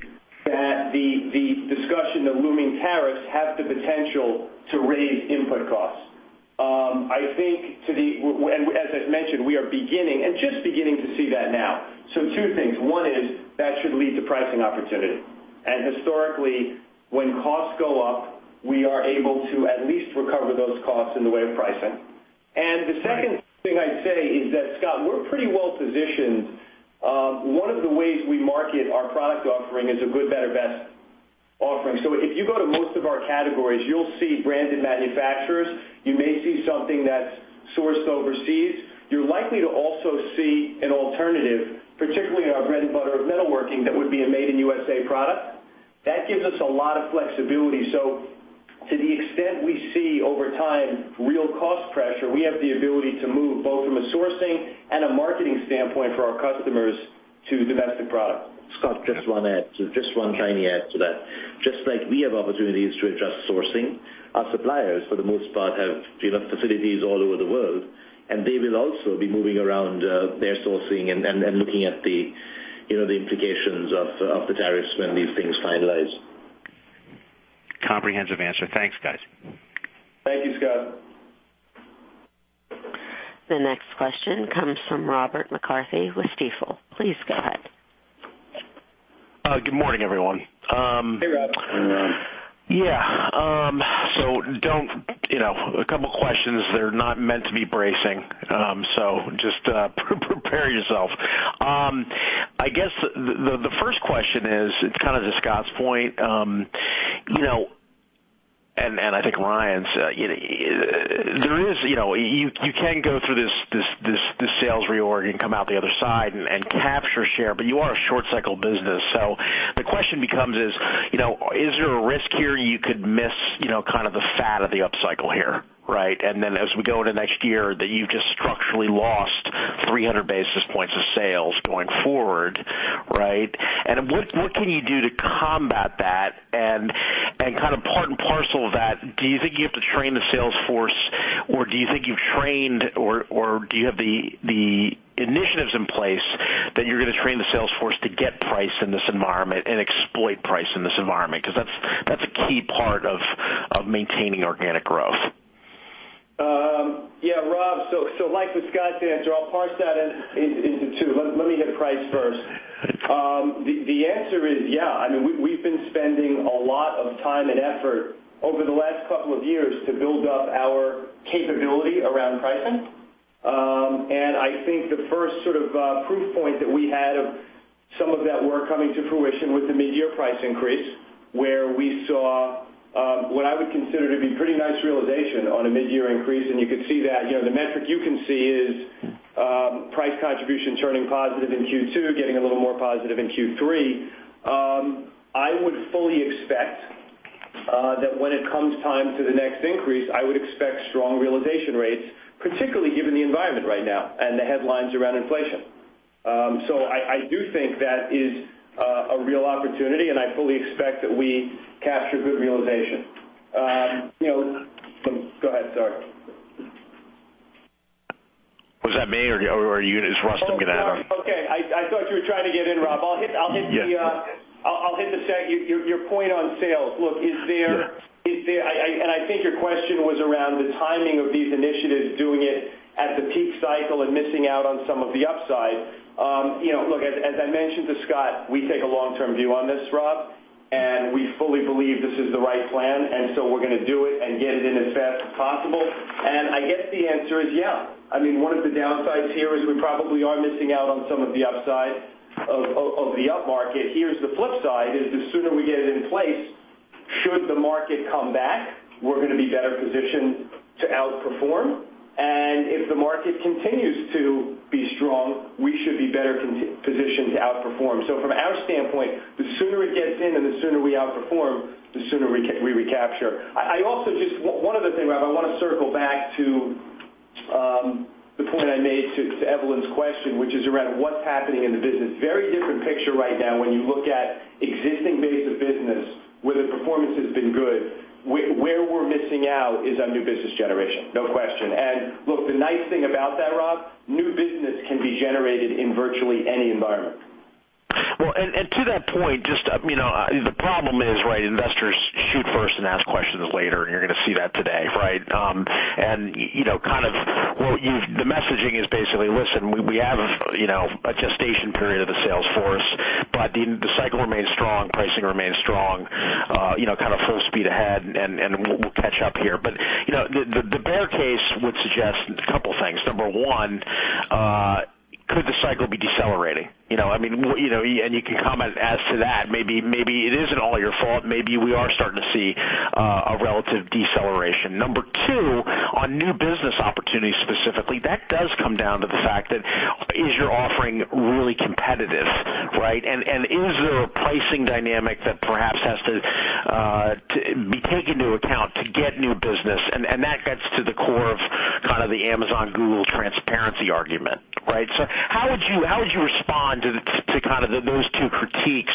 S3: that the discussion of looming tariffs has the potential to raise input costs. As I've mentioned, we are beginning, and just beginning, to see that now. Two things. One is, that should lead to pricing opportunity. Historically, when costs go up, we are able to at least recover those costs in the way of pricing.
S7: Right.
S3: The second thing I'd say is that, Scott, we're pretty well positioned. One of the ways we market our product offering is a good, better, best offering. If you go to most of our categories, you'll see branded manufacturers. You may see something that's sourced overseas. You're likely to also see an alternative, particularly in our bread and butter of metalworking, that would be a Made in USA product. That gives us a lot of flexibility. To the extent we see over time, real cost pressure, we have the ability to move, both from a sourcing and a marketing standpoint for our customers to domestic product.
S4: Scott, just one tiny add to that. Just like we have opportunities to adjust sourcing, our suppliers, for the most part, have facilities all over the world, and they will also be moving around their sourcing and looking at the implications of the tariffs when these things finalize.
S7: Comprehensive answer. Thanks, guys.
S3: Thank you, Scott.
S1: The next question comes from Robert McCarthy with Stifel. Please go ahead.
S8: Good morning, everyone.
S3: Hey, Rob.
S4: Hey, Rob.
S8: Yeah. A couple questions that are not meant to be bracing. Just prepare yourself. I guess the first question is, it's kind of to Scott's point, and I think Ryan's. You can go through this sales reorg and come out the other side and capture share, but you are a short cycle business. The question becomes, is there a risk here you could miss kind of the fat of the upcycle here, right? As we go into next year, that you've just structurally lost 300 basis points of sales going forward, right? What can you do to combat that? Kind of part and parcel of that, do you think you have to train the sales force, or do you think you've trained, or do you have the initiatives in place that you're going to train the sales force to get price in this environment and exploit price in this environment? Because that's a key part of maintaining organic growth.
S3: Yeah, Rob. Like with Scott's answer, I'll parse that into two. Let me hit price first. The answer is, yeah. We've been spending a lot of time and effort over the last couple of years to build up our capability around pricing. I think the first sort of proof point that we had of some of that work coming to fruition was the mid-year price increase, where we saw what I would consider to be pretty nice realization on a mid-year increase. The metric you can see is price contribution turning positive in Q2, getting a little more positive in Q3. I would fully expect that when it comes time for the next increase, I would expect strong realization rates, particularly given the environment right now and the headlines around inflation. I do think that is a real opportunity, and I fully expect that we capture good realization. Go ahead, sorry.
S8: Was that me or is Rustom going to add on?
S3: Okay. I thought you were trying to get in, Rob.
S8: Yeah.
S3: I'll hit your point on sales.
S8: Yeah.
S3: I think your question was around the timing of these initiatives, doing it at the peak cycle and missing out on some of the upside. Look, as I mentioned to Scott Graham, we take a long-term view on this, Rob, and we fully believe this is the right plan, and so we're going to do it and get it in as fast as possible. I guess the answer is, yeah. One of the downsides here is we probably are missing out on some of the upside of the upmarket. Here's the flip side, is the sooner we get it in place, should the market come back, we're going to be better positioned to outperform. If the market continues to be strong, we should be better positioned to outperform. From our standpoint, the sooner it gets in and the sooner we outperform, the sooner we recapture. One other thing, Rob, I want to circle back to the point I made to Evelyn Chou's question, which is around what's happening in the business. Very different picture right now when you look at existing base of business where the performance has been good. Where we're missing out is on new business generation, no question. Look, the nice thing about that, Rob, new business can be generated in virtually any environment.
S8: Well, to that point, the problem is investors shoot first and ask questions later, you're going to see that today, right? The messaging is basically, listen, we have a gestation period of the sales force, the cycle remains strong, pricing remains strong. Kind of full speed ahead, we'll catch up here. The bear case would suggest a couple things. Number one. You can comment as to that. Maybe it isn't all your fault. Maybe we are starting to see a relative deceleration. Number two, on new business opportunities specifically, that does come down to the fact that is your offering really competitive, right? Is there a pricing dynamic that perhaps has to be taken into account to get new business? That gets to the core of kind of the Amazon Google transparency argument, right? How would you respond to those two critiques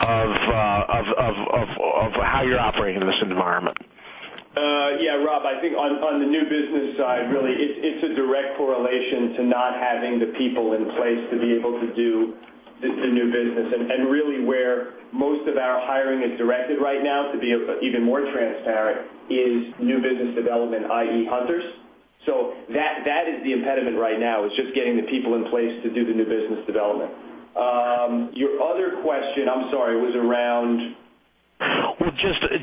S8: of how you're operating in this environment?
S3: Yeah, Rob, I think on the new business side, really, it's a direct correlation to not having the people in place to be able to do the new business. Really where most of our hiring is directed right now, to be even more transparent, is new business development, i.e., hunters. That is the impediment right now, is just getting the people in place to do the new business development. Your other question, I'm sorry, was around?
S8: Well,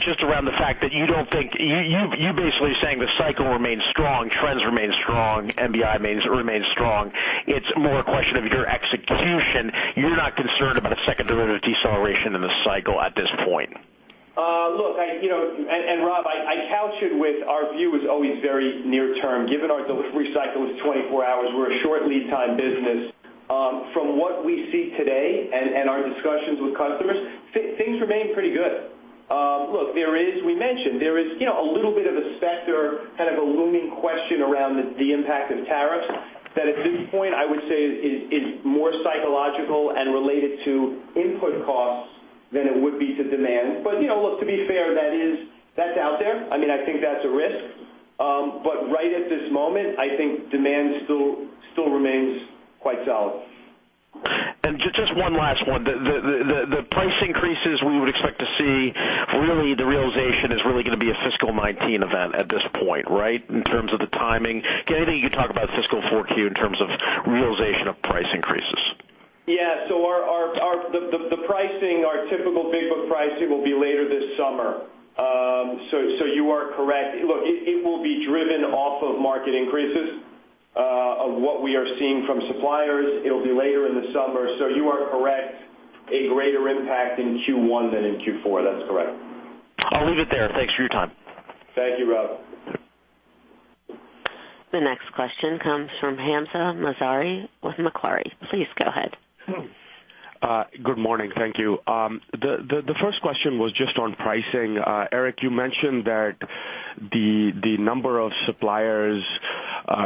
S8: just around the fact that you basically saying the cycle remains strong, trends remain strong, MBI remains strong. It's more a question of your execution. You're not concerned about a second derivative deceleration in the cycle at this point.
S3: Rob, I couch it with our view is always very near term. Given our delivery cycle is 24 hours, we're a short lead time business. From what we see today and our discussions with customers, things remain pretty good. Look, we mentioned there is a little bit of a specter, kind of a looming question around the impact of tariffs that at this point I would say is more psychological and related to input costs than it would be to demand. Look, to be fair, that's out there. I think that's a risk. Right at this moment, I think demand still remains quite solid.
S8: Just one last one. The price increases we would expect to see, really the realization is really going to be a fiscal 2019 event at this point, right? In terms of the timing. Anything you can talk about fiscal 4Q in terms of realization of price increases?
S3: Yeah. The pricing, our typical big book pricing will be later this summer. You are correct. Look, it will be driven off of market increases of what we are seeing from suppliers. It'll be later in the summer. You are correct. A greater impact in Q1 than in Q4. That's correct.
S8: I'll leave it there. Thanks for your time.
S3: Thank you, Rob.
S1: The next question comes from Hamza Mazari with Jefferies. Please go ahead.
S9: Good morning. Thank you. The first question was just on pricing. Erik, you mentioned that the number of suppliers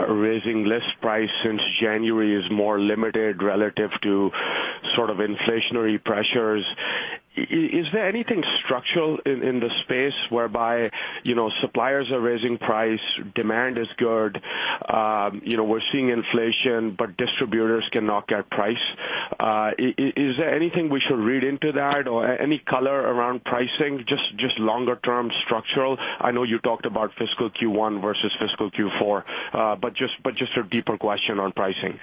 S9: raising list price since January is more limited relative to sort of inflationary pressures. Is there anything structural in the space whereby suppliers are raising price, demand is good, we're seeing inflation, but distributors cannot get price? Is there anything we should read into that or any color around pricing, just longer term structural? I know you talked about fiscal Q1 versus fiscal Q4. Just a deeper question on pricing.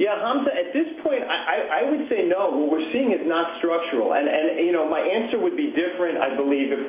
S3: Hamza, at this point, I would say no. What we're seeing is not structural. My answer would be different, I believe, if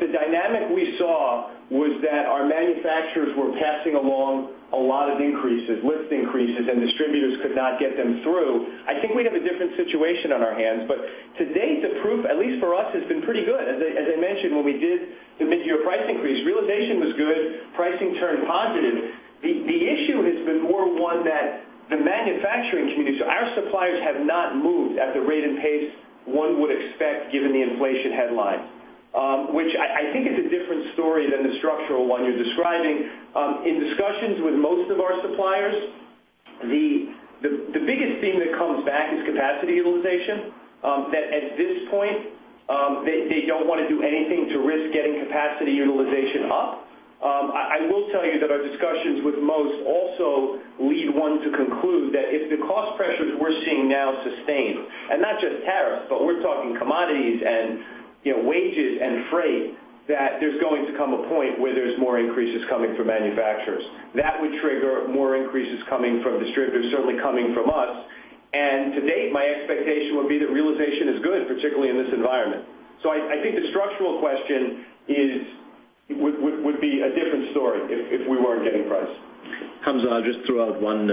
S3: the dynamic we saw was that our manufacturers were passing along a lot of increases, list increases, and distributors could not get them through. I think we'd have a different situation on our hands. To date, the proof, at least for us, has been pretty good. As I mentioned, when we did the mid-year price increase, realization was good. Pricing turned positive. The issue has been more one that the manufacturing community, so our suppliers have not moved at the rate and pace one would expect given the inflation headline, which I think is a different story than the structural one you're describing. In discussions with most of our suppliers, the biggest theme that comes back is capacity utilization. At this point, they don't want to do anything to risk getting capacity utilization up. I will tell you that our discussions with most also lead one to conclude that if the cost pressures we're seeing now sustain, and not just tariffs, but we're talking commodities and wages and freight, there's going to come a point where there's more increases coming from manufacturers. That would trigger more increases coming from distributors, certainly coming from us. To date, my expectation would be that realization is good, particularly in this environment. I think the structural question would be a different story if we weren't getting price.
S4: Hamza, I'll just throw out one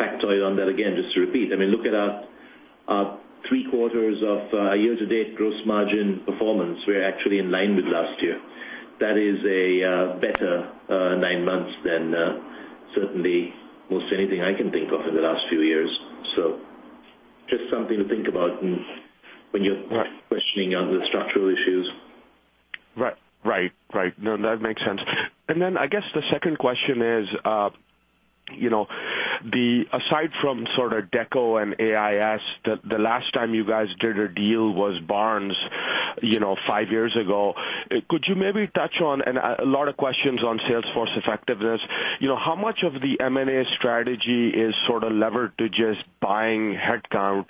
S4: factoid on that again, just to repeat. Look at our three quarters of year to date gross margin performance. We're actually in line with last year. That is a better nine months than certainly most anything I can think of in the last few years. Just something to think about when you're questioning on the structural issues.
S9: Right. No, that makes sense. I guess the second question is, aside from sort of DECO and AIS, the last time you guys did a deal was Barnes five years ago. Could you maybe touch on, and a lot of questions on sales force effectiveness, how much of the M&A strategy is sort of levered to just buying headcount,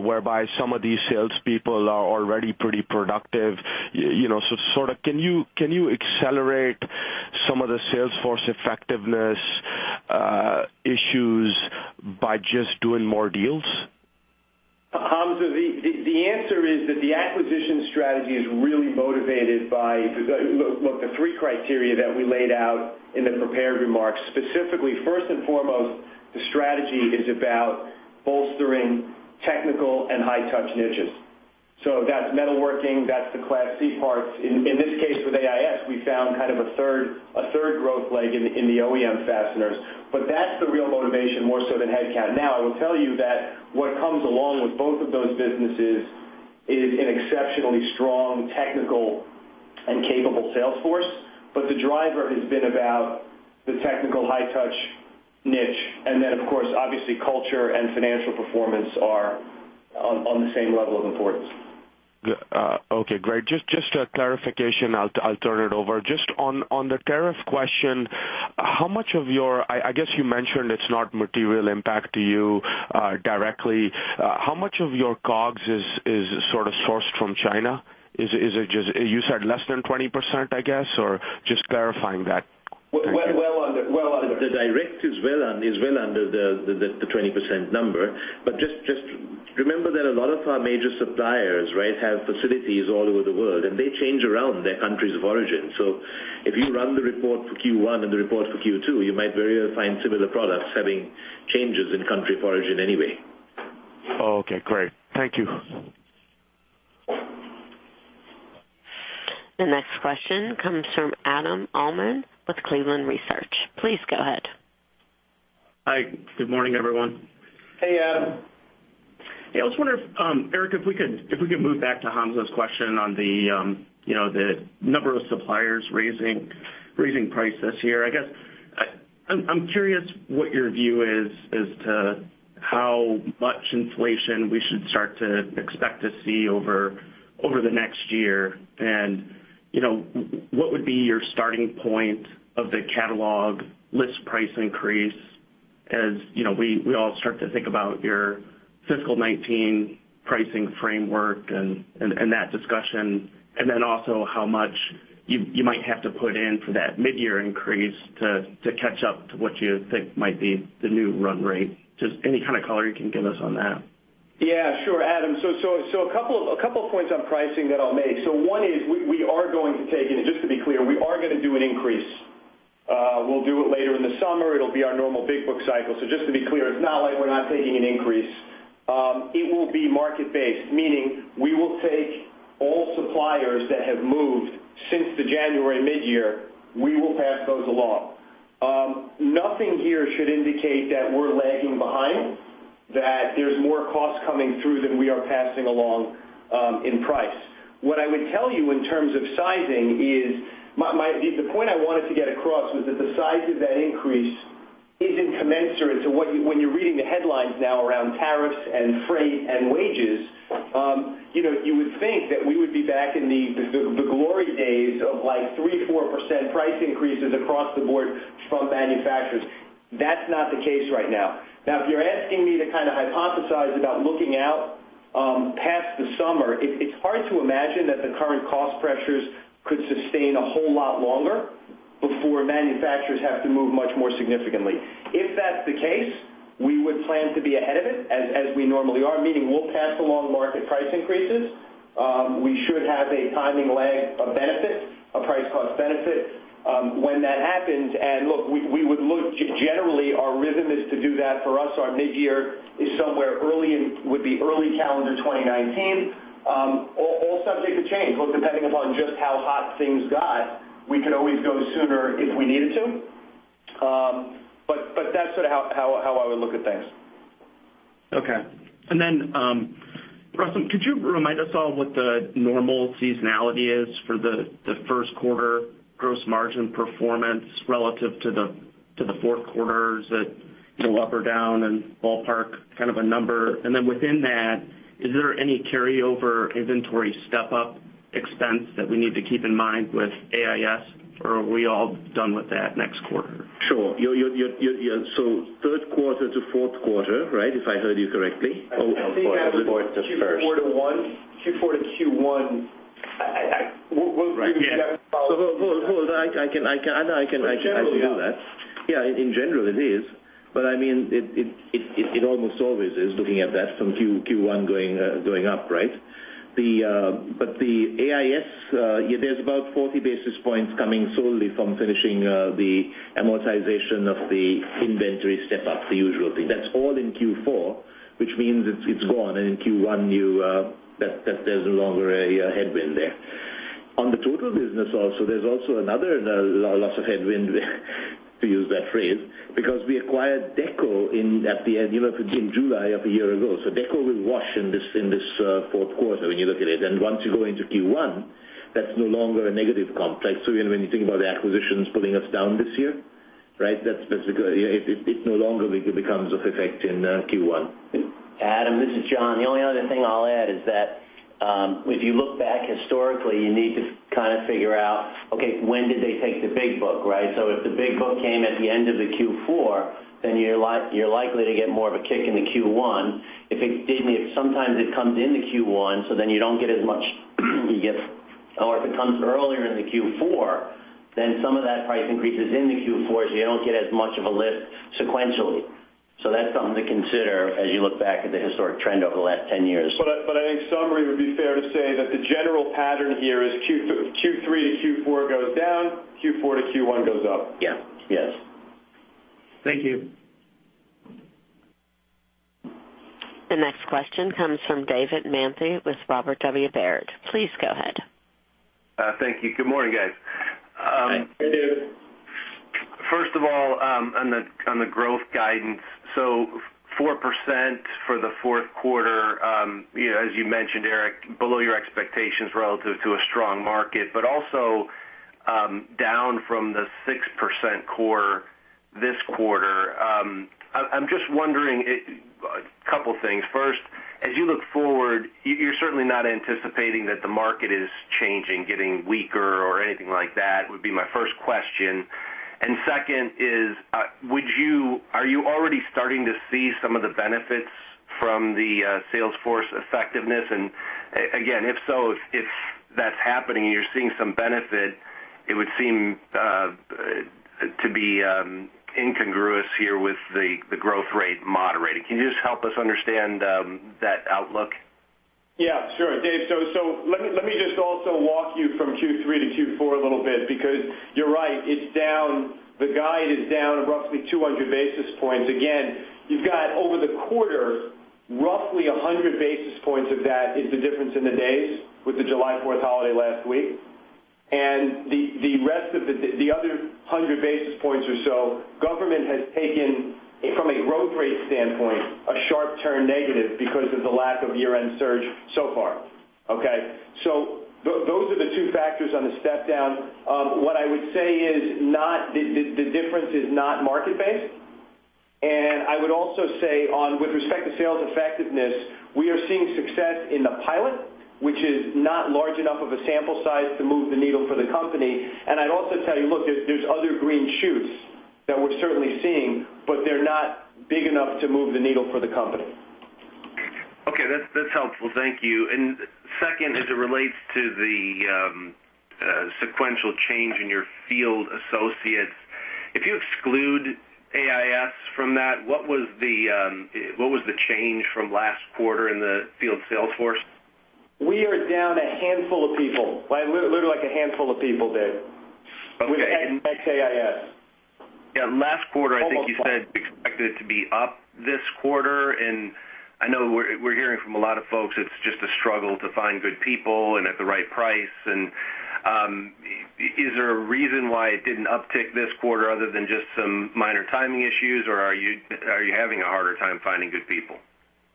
S9: whereby some of these salespeople are already pretty productive? Can you accelerate some of the sales force effectiveness issues by just doing more deals?
S3: The answer is that the acquisition strategy is really motivated by the three criteria that we laid out in the prepared remarks. Specifically, first and foremost, the strategy is about bolstering technical and high-touch niches. That's metalworking, that's the Class C parts. In this case, with AIS, we found kind of a third growth leg in the OEM fasteners. That's the real motivation, more so than headcount. Now, I will tell you that what comes along with both of those businesses is an exceptionally strong technical and capable sales force. The driver has been about the technical high touch niche, and then of course, obviously culture and financial performance are on the same level of importance.
S9: Okay, great. Just a clarification. I'll turn it over. Just on the tariff question, I guess you mentioned it's not material impact to you directly. How much of your COGS is sort of sourced from China? You said less than 20%, I guess? Or just clarifying that. Thank you.
S3: Well under.
S4: The direct is well under the 20% number. Just remember that a lot of our major suppliers have facilities all over the world, and they change around their countries of origin. If you run the report for Q1 and the report for Q2, you might very well find similar products having changes in country of origin anyway.
S9: Okay, great. Thank you.
S1: The next question comes from Adam Uhlman with Cleveland Research. Please go ahead.
S10: Hi. Good morning, everyone.
S3: Hey, Adam.
S10: Hey, I was wondering, Erik, if we could move back to Hamza's question on the number of suppliers raising prices here. I guess, I'm curious what your view is as to how much inflation we should start to expect to see over the next year. What would be your starting point of the catalog list price increase, as we all start to think about your fiscal 2019 pricing framework and that discussion? Also how much you might have to put in for that mid-year increase to catch up to what you think might be the new run rate. Just any kind of color you can give us on that.
S3: Yeah, sure, Adam Uhlman. A couple of points on pricing that I'll make. One is, we are going to take, and just to be clear, we are going to do an increase. We'll do it later in the summer. It'll be our normal big book cycle. Just to be clear, it's not like we're not taking an increase. It will be market-based, meaning we will take all suppliers that have moved since the January mid-year, we will pass those along. Nothing here should indicate that we're lagging behind, that there's more cost coming through than we are passing along in price. What I would tell you in terms of sizing is, the point I wanted to get across was that the size of that increase isn't commensurate to when you're reading the headlines now around tariffs and freight and wages. You would think that we would be back in the glory days of like 3%-4% price increases across the board from manufacturers. That's not the case right now. If you're asking me to kind of hypothesize about looking out past the summer, it's hard to imagine that the current cost pressures could sustain a whole lot longer before manufacturers have to move much more significantly. If that's the case, we would plan to be ahead of it, as we normally are, meaning we'll pass along market price increases. We should have a timing lag of benefit, a price cost benefit when that happens. Look, generally our rhythm is to do that for us, our mid-year is somewhere would be early calendar 2019. All subject to change. Depending upon just how hot things got, we could always go sooner if we needed to. That's sort of how I would look at things.
S10: Okay. Then, Rustom, could you remind us all what the normal seasonality is for the first quarter gross margin performance relative to the fourth quarters that up or down and ballpark kind of a number. Then within that, is there any carryover inventory step-up expense that we need to keep in mind with AIS, or are we all done with that next quarter?
S4: Sure. third quarter to fourth quarter, right? If I heard you correctly.
S3: I think Adam, Q4 to Q1.
S4: Hold. I can do that.
S3: generally.
S4: Yeah, in general it is. I mean, it almost always is, looking at that from Q1 going up, right? The AIS, there's about 40 basis points coming solely from finishing the amortization of the inventory step up, the usual thing. That's all in Q4, which means it's gone and in Q1 there's no longer a headwind there. On the total business also, there's also another loss of headwind, to use that phrase, because we acquired DECO in July of a year ago. DECO will wash in this fourth quarter when you look at it. Once you go into Q1, that's no longer a negative comp. When you think about the acquisitions pulling us down this year, it no longer becomes of effect in Q1.
S2: Adam, this is John. The only other thing I'll add is that, if you look back historically, you need to kind of figure out, okay, when did they take the big book, right? If the big book came at the end of the Q4, you're likely to get more of a kick in the Q1. Sometimes it comes into Q1, you don't get as much. You get If it comes earlier in the Q4, some of that price increases in the Q4, you don't get as much of a lift sequentially. That's something to consider as you look back at the historic trend over the last 10 years.
S3: I think summary would be fair to say that the general pattern here is Q3 to Q4 goes down, Q4 to Q1 goes up.
S2: Yeah. Yes.
S10: Thank you.
S1: The next question comes from David Manthey with Robert W. Baird. Please go ahead.
S11: Thank you. Good morning, guys.
S3: Hey, David.
S11: First of all, on the growth guidance. 4% for the fourth quarter, as you mentioned, Erik, below your expectations relative to a strong market, but also down from the 6% core this quarter. I'm just wondering a couple things. First, as you look forward, you're certainly not anticipating that the market is changing, getting weaker or anything like that, would be my first question. Second is, are you already starting to see some of the benefits from the sales force effectiveness? Again, if so, if that's happening and you're seeing some benefit, it would seem to be incongruous here with the growth rate moderating. Can you just help us understand that outlook?
S3: Yeah, sure. Dave, let me just also walk you from Q3 to Q4 a little bit, because you're right, the guide is down roughly 200 basis points. Again, you've got over the quarter, roughly 100 basis points of that is the difference in the days with the July 4th holiday last week. The other 100 basis points or so, government has taken, from a growth rate standpoint, a sharp turn negative because of the lack of year-end surge so far. Okay? Those are the two factors on the step down. What I would say is the difference is not market based. I would also say with respect to sales effectiveness, we are seeing success in the pilot, which is not large enough of a sample size to move the needle for the company. I'd also tell you, look, there's other green shoots that we're certainly seeing, but they're not big enough to move the needle for the company.
S11: Okay. That's helpful. Thank you. Second, as it relates to the sequential change in your field associates, if you exclude AIS from that, what was the change from last quarter in the field sales force?
S3: We are down a handful of people. Literally, like a handful of people, Dave.
S11: Okay.
S3: Ex AIS.
S11: Yeah. Last quarter, I think you said.
S3: Almost flat
S11: You expect it to be up this quarter. I know we're hearing from a lot of folks, it's just a struggle to find good people and at the right price. Is there a reason why it didn't uptick this quarter other than just some minor timing issues, or are you having a harder time finding good people?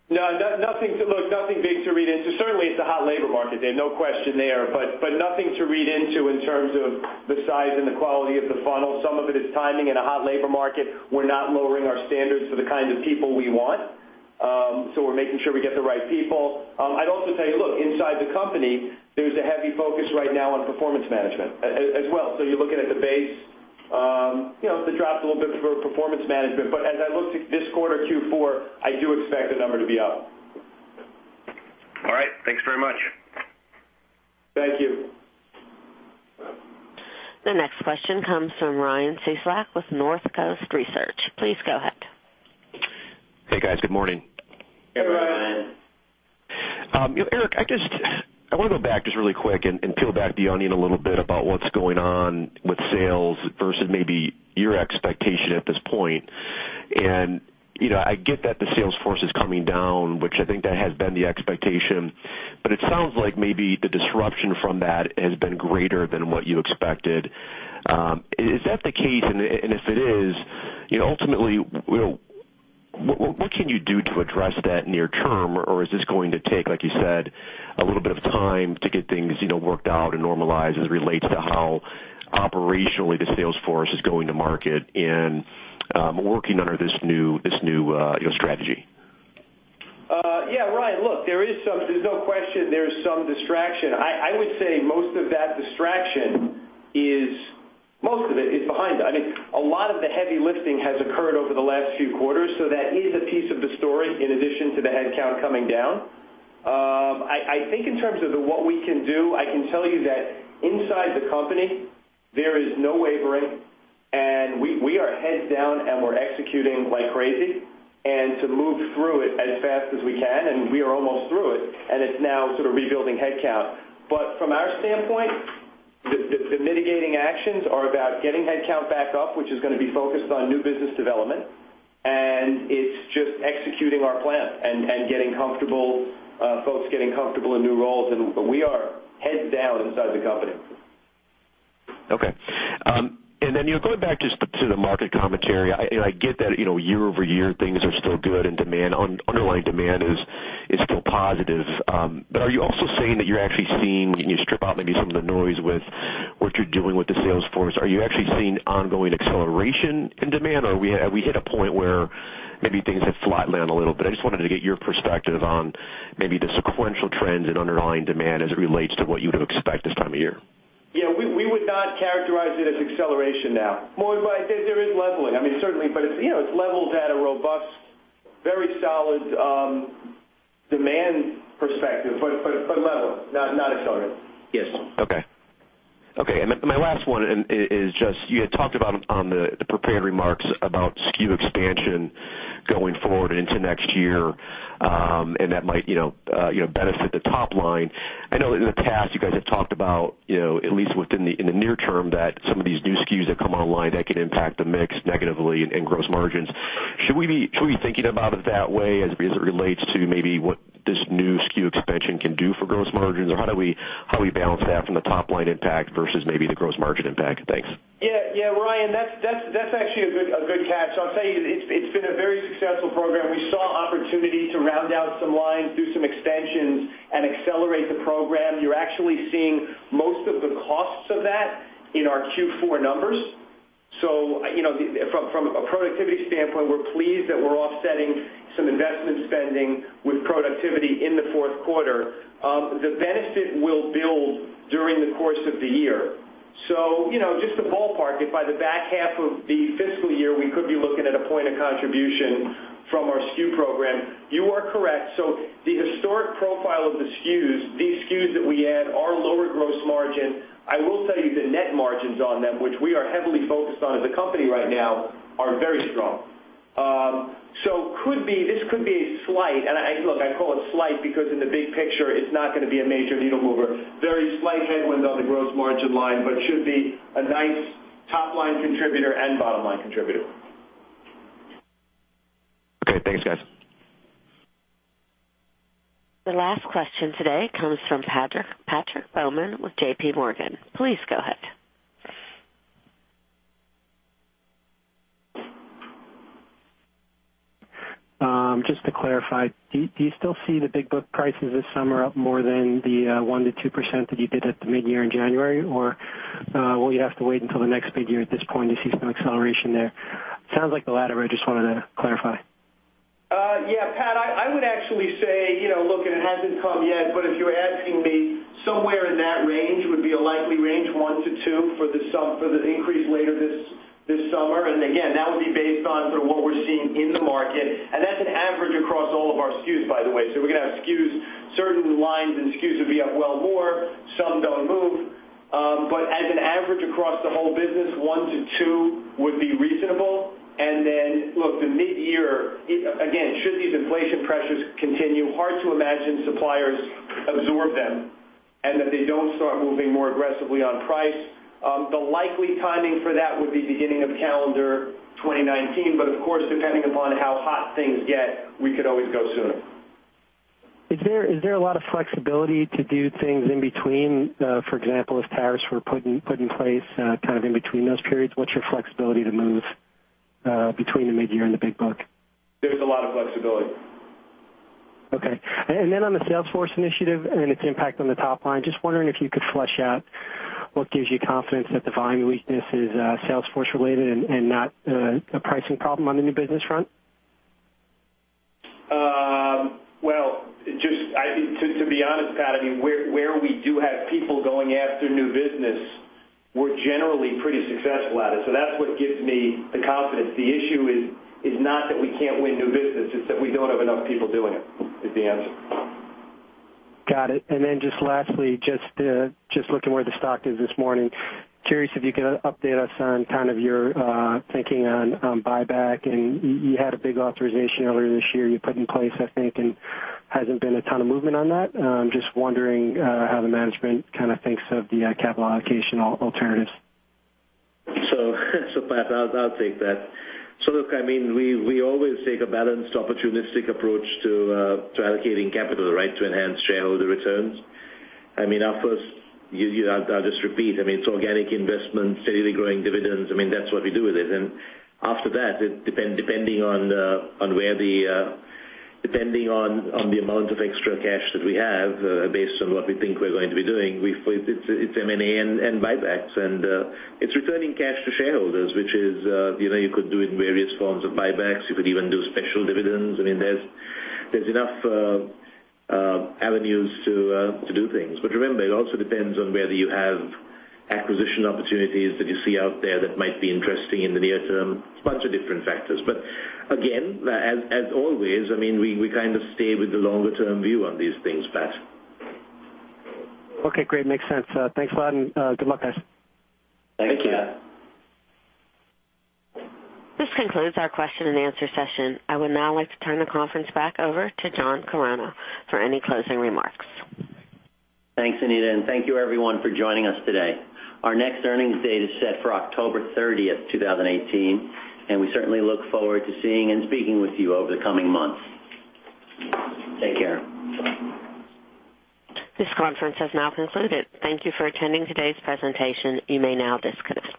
S3: No. Look, nothing big to read into. Certainly, it's a hot labor market, Dave. No question there, nothing to read into in terms of the size and the quality of the funnel. Some of it is timing and a hot labor market. We're not lowering our standards for the kind of people we want. We're making sure we get the right people. I'd also tell you, look, inside the company, there's a heavy focus right now on performance management as well. You're looking at the base, the drop's a little bit for performance management. As I look to this quarter, Q4, I do expect the number to be up.
S11: All right. Thanks very much.
S3: Thank you.
S1: The next question comes from Ryan Cieslak with Northcoast Research. Please go ahead.
S12: Hey, guys. Good morning.
S3: Hey, Ryan.
S12: Erik, I want to go back just really quick and peel back the onion a little bit about what's going on with sales versus maybe your expectation at this point. I get that the sales force is coming down, which I think that has been the expectation, but it sounds like maybe the disruption from that has been greater than what you expected. Is that the case? If it is, ultimately, what can you do to address that near term? Is this going to take, like you said, a little bit of time to get things worked out and normalized as it relates to how operationally the sales force is going to market and working under this new strategy?
S3: Yeah, Ryan, look, there's no question there is some distraction. I would say most of that distraction, most of it is behind us. A lot of the heavy lifting has occurred over the last few quarters. That is a piece of the story in addition to the headcount coming down. I think in terms of what we can do, I can tell you that inside the company, there is no wavering and we are heads down and we're executing like crazy, and to move through it as fast as we can, and we are almost through it, and it's now sort of rebuilding headcount. From our standpoint, the mitigating actions are about getting headcount back up, which is going to be focused on new business development, and it's just executing our plan and folks getting comfortable in new roles. We are heads down inside the company.
S12: Okay. Then going back just to the market commentary, I get that year-over-year, things are still good and underlying demand is still positive. Are you also saying that you're actually seeing, when you strip out maybe some of the noise with what you're doing with the sales force, are you actually seeing ongoing acceleration in demand, or have we hit a point where maybe things have flatlined a little bit? I just wanted to get your perspective on maybe the sequential trends in underlying demand as it relates to what you would expect this time of year.
S3: Yeah, we would not characterize it as acceleration now. There is leveling, certainly, but it's leveled at a robust Very solid demand perspective, but level, not accelerated.
S4: Yes.
S12: My last one is just, you had talked about on the prepared remarks about SKU expansion going forward into next year, and that might benefit the top line. I know in the past you guys have talked about, at least in the near term, that some of these new SKUs that come online that could impact the mix negatively and gross margins. Should we be thinking about it that way as it relates to maybe what this new SKU expansion can do for gross margins? How do we balance that from the top-line impact versus maybe the gross margin impact? Thanks.
S3: Ryan, that's actually a good catch. I will tell you, it's been a very successful program. We saw opportunity to round out some lines, do some extensions, and accelerate the program. You're actually seeing most of the costs of that in our Q4 numbers. From a productivity standpoint, we're pleased that we're offsetting some investment spending with productivity in the fourth quarter. The benefit will build during the course of the year. Just to ballpark, if by the back half of the fiscal year, we could be looking at a point of contribution from our SKU program. You are correct. The historic profile of the SKUs, these SKUs that we add are lower gross margin. I will tell you the net margins on them, which we are heavily focused on as a company right now, are very strong. This could be slight. Look, I call it slight because in the big picture, it's not going to be a major needle mover. Very slight headwind on the gross margin line, but should be a nice top-line contributor and bottom-line contributor.
S12: Thanks, guys.
S1: The last question today comes from Patrick Baumann with JPMorgan. Please go ahead.
S13: Just to clarify, do you still see the big book prices this summer up more than the 1%-2% that you did at the mid-year in January? Or will you have to wait until the next mid-year at this point to see some acceleration there? Sounds like the latter. I just wanted to clarify.
S3: Pat, I would actually say, look, and it hasn't come yet, but if you're asking me, somewhere in that range would be a likely range, 1%-2% for the increase later this summer. Again, that would be based on sort of what we're seeing in the market. That's an average across all of our SKUs, by the way. We're going to have SKUs, certain lines and SKUs will be up well more, some don't move. But as an average across the whole business, 1%-2% would be reasonable. Look, the mid-year, again, should these inflation pressures continue, hard to imagine suppliers absorb them and that they don't start moving more aggressively on price. The likely timing for that would be beginning of calendar 2019. But of course, depending upon how hot things get, we could always go sooner.
S13: Is there a lot of flexibility to do things in between? For example, if tariffs were put in place kind of in between those periods, what's your flexibility to move between the mid-year and the big book?
S3: There's a lot of flexibility.
S13: On the sales force initiative and its impact on the top line, just wondering if you could flesh out what gives you confidence that the volume weakness is sales force related and not a pricing problem on the new business front?
S3: Well, to be honest, Pat, where we do have people going after new business, we're generally pretty successful at it. That's what gives me the confidence. The issue is not that we can't win new business, it's that we don't have enough people doing it, is the answer.
S13: Got it. Just lastly, just looking where the stock is this morning. Curious if you could update us on kind of your thinking on buyback, and you had a big authorization earlier this year you put in place, I think, and hasn't been a ton of movement on that. I'm just wondering how the management kind of thinks of the capital allocation alternatives.
S4: Pat, I'll take that. Look, we always take a balanced, opportunistic approach to allocating capital, right? To enhance shareholder returns. I'll just repeat, it's organic investment, steadily growing dividends. That's what we do with it. After that, depending on the amount of extra cash that we have, based on what we think we're going to be doing, it's M&A and buybacks. It's returning cash to shareholders, which you could do in various forms of buybacks. You could even do special dividends. There's enough avenues to do things. Remember, it also depends on whether you have acquisition opportunities that you see out there that might be interesting in the near term. It's a bunch of different factors. Again, as always, we kind of stay with the longer-term view on these things, Pat.
S13: Okay, great. Makes sense. Thanks a lot, and good luck, guys.
S3: Thank you.
S4: Thank you, Pat.
S1: This concludes our question and answer session. I would now like to turn the conference back over to John Chironna for any closing remarks.
S2: Thanks, Anita, and thank you everyone for joining us today. Our next earnings date is set for October 30th, 2018, and we certainly look forward to seeing and speaking with you over the coming months. Take care.
S1: This conference has now concluded. Thank you for attending today's presentation. You may now disconnect.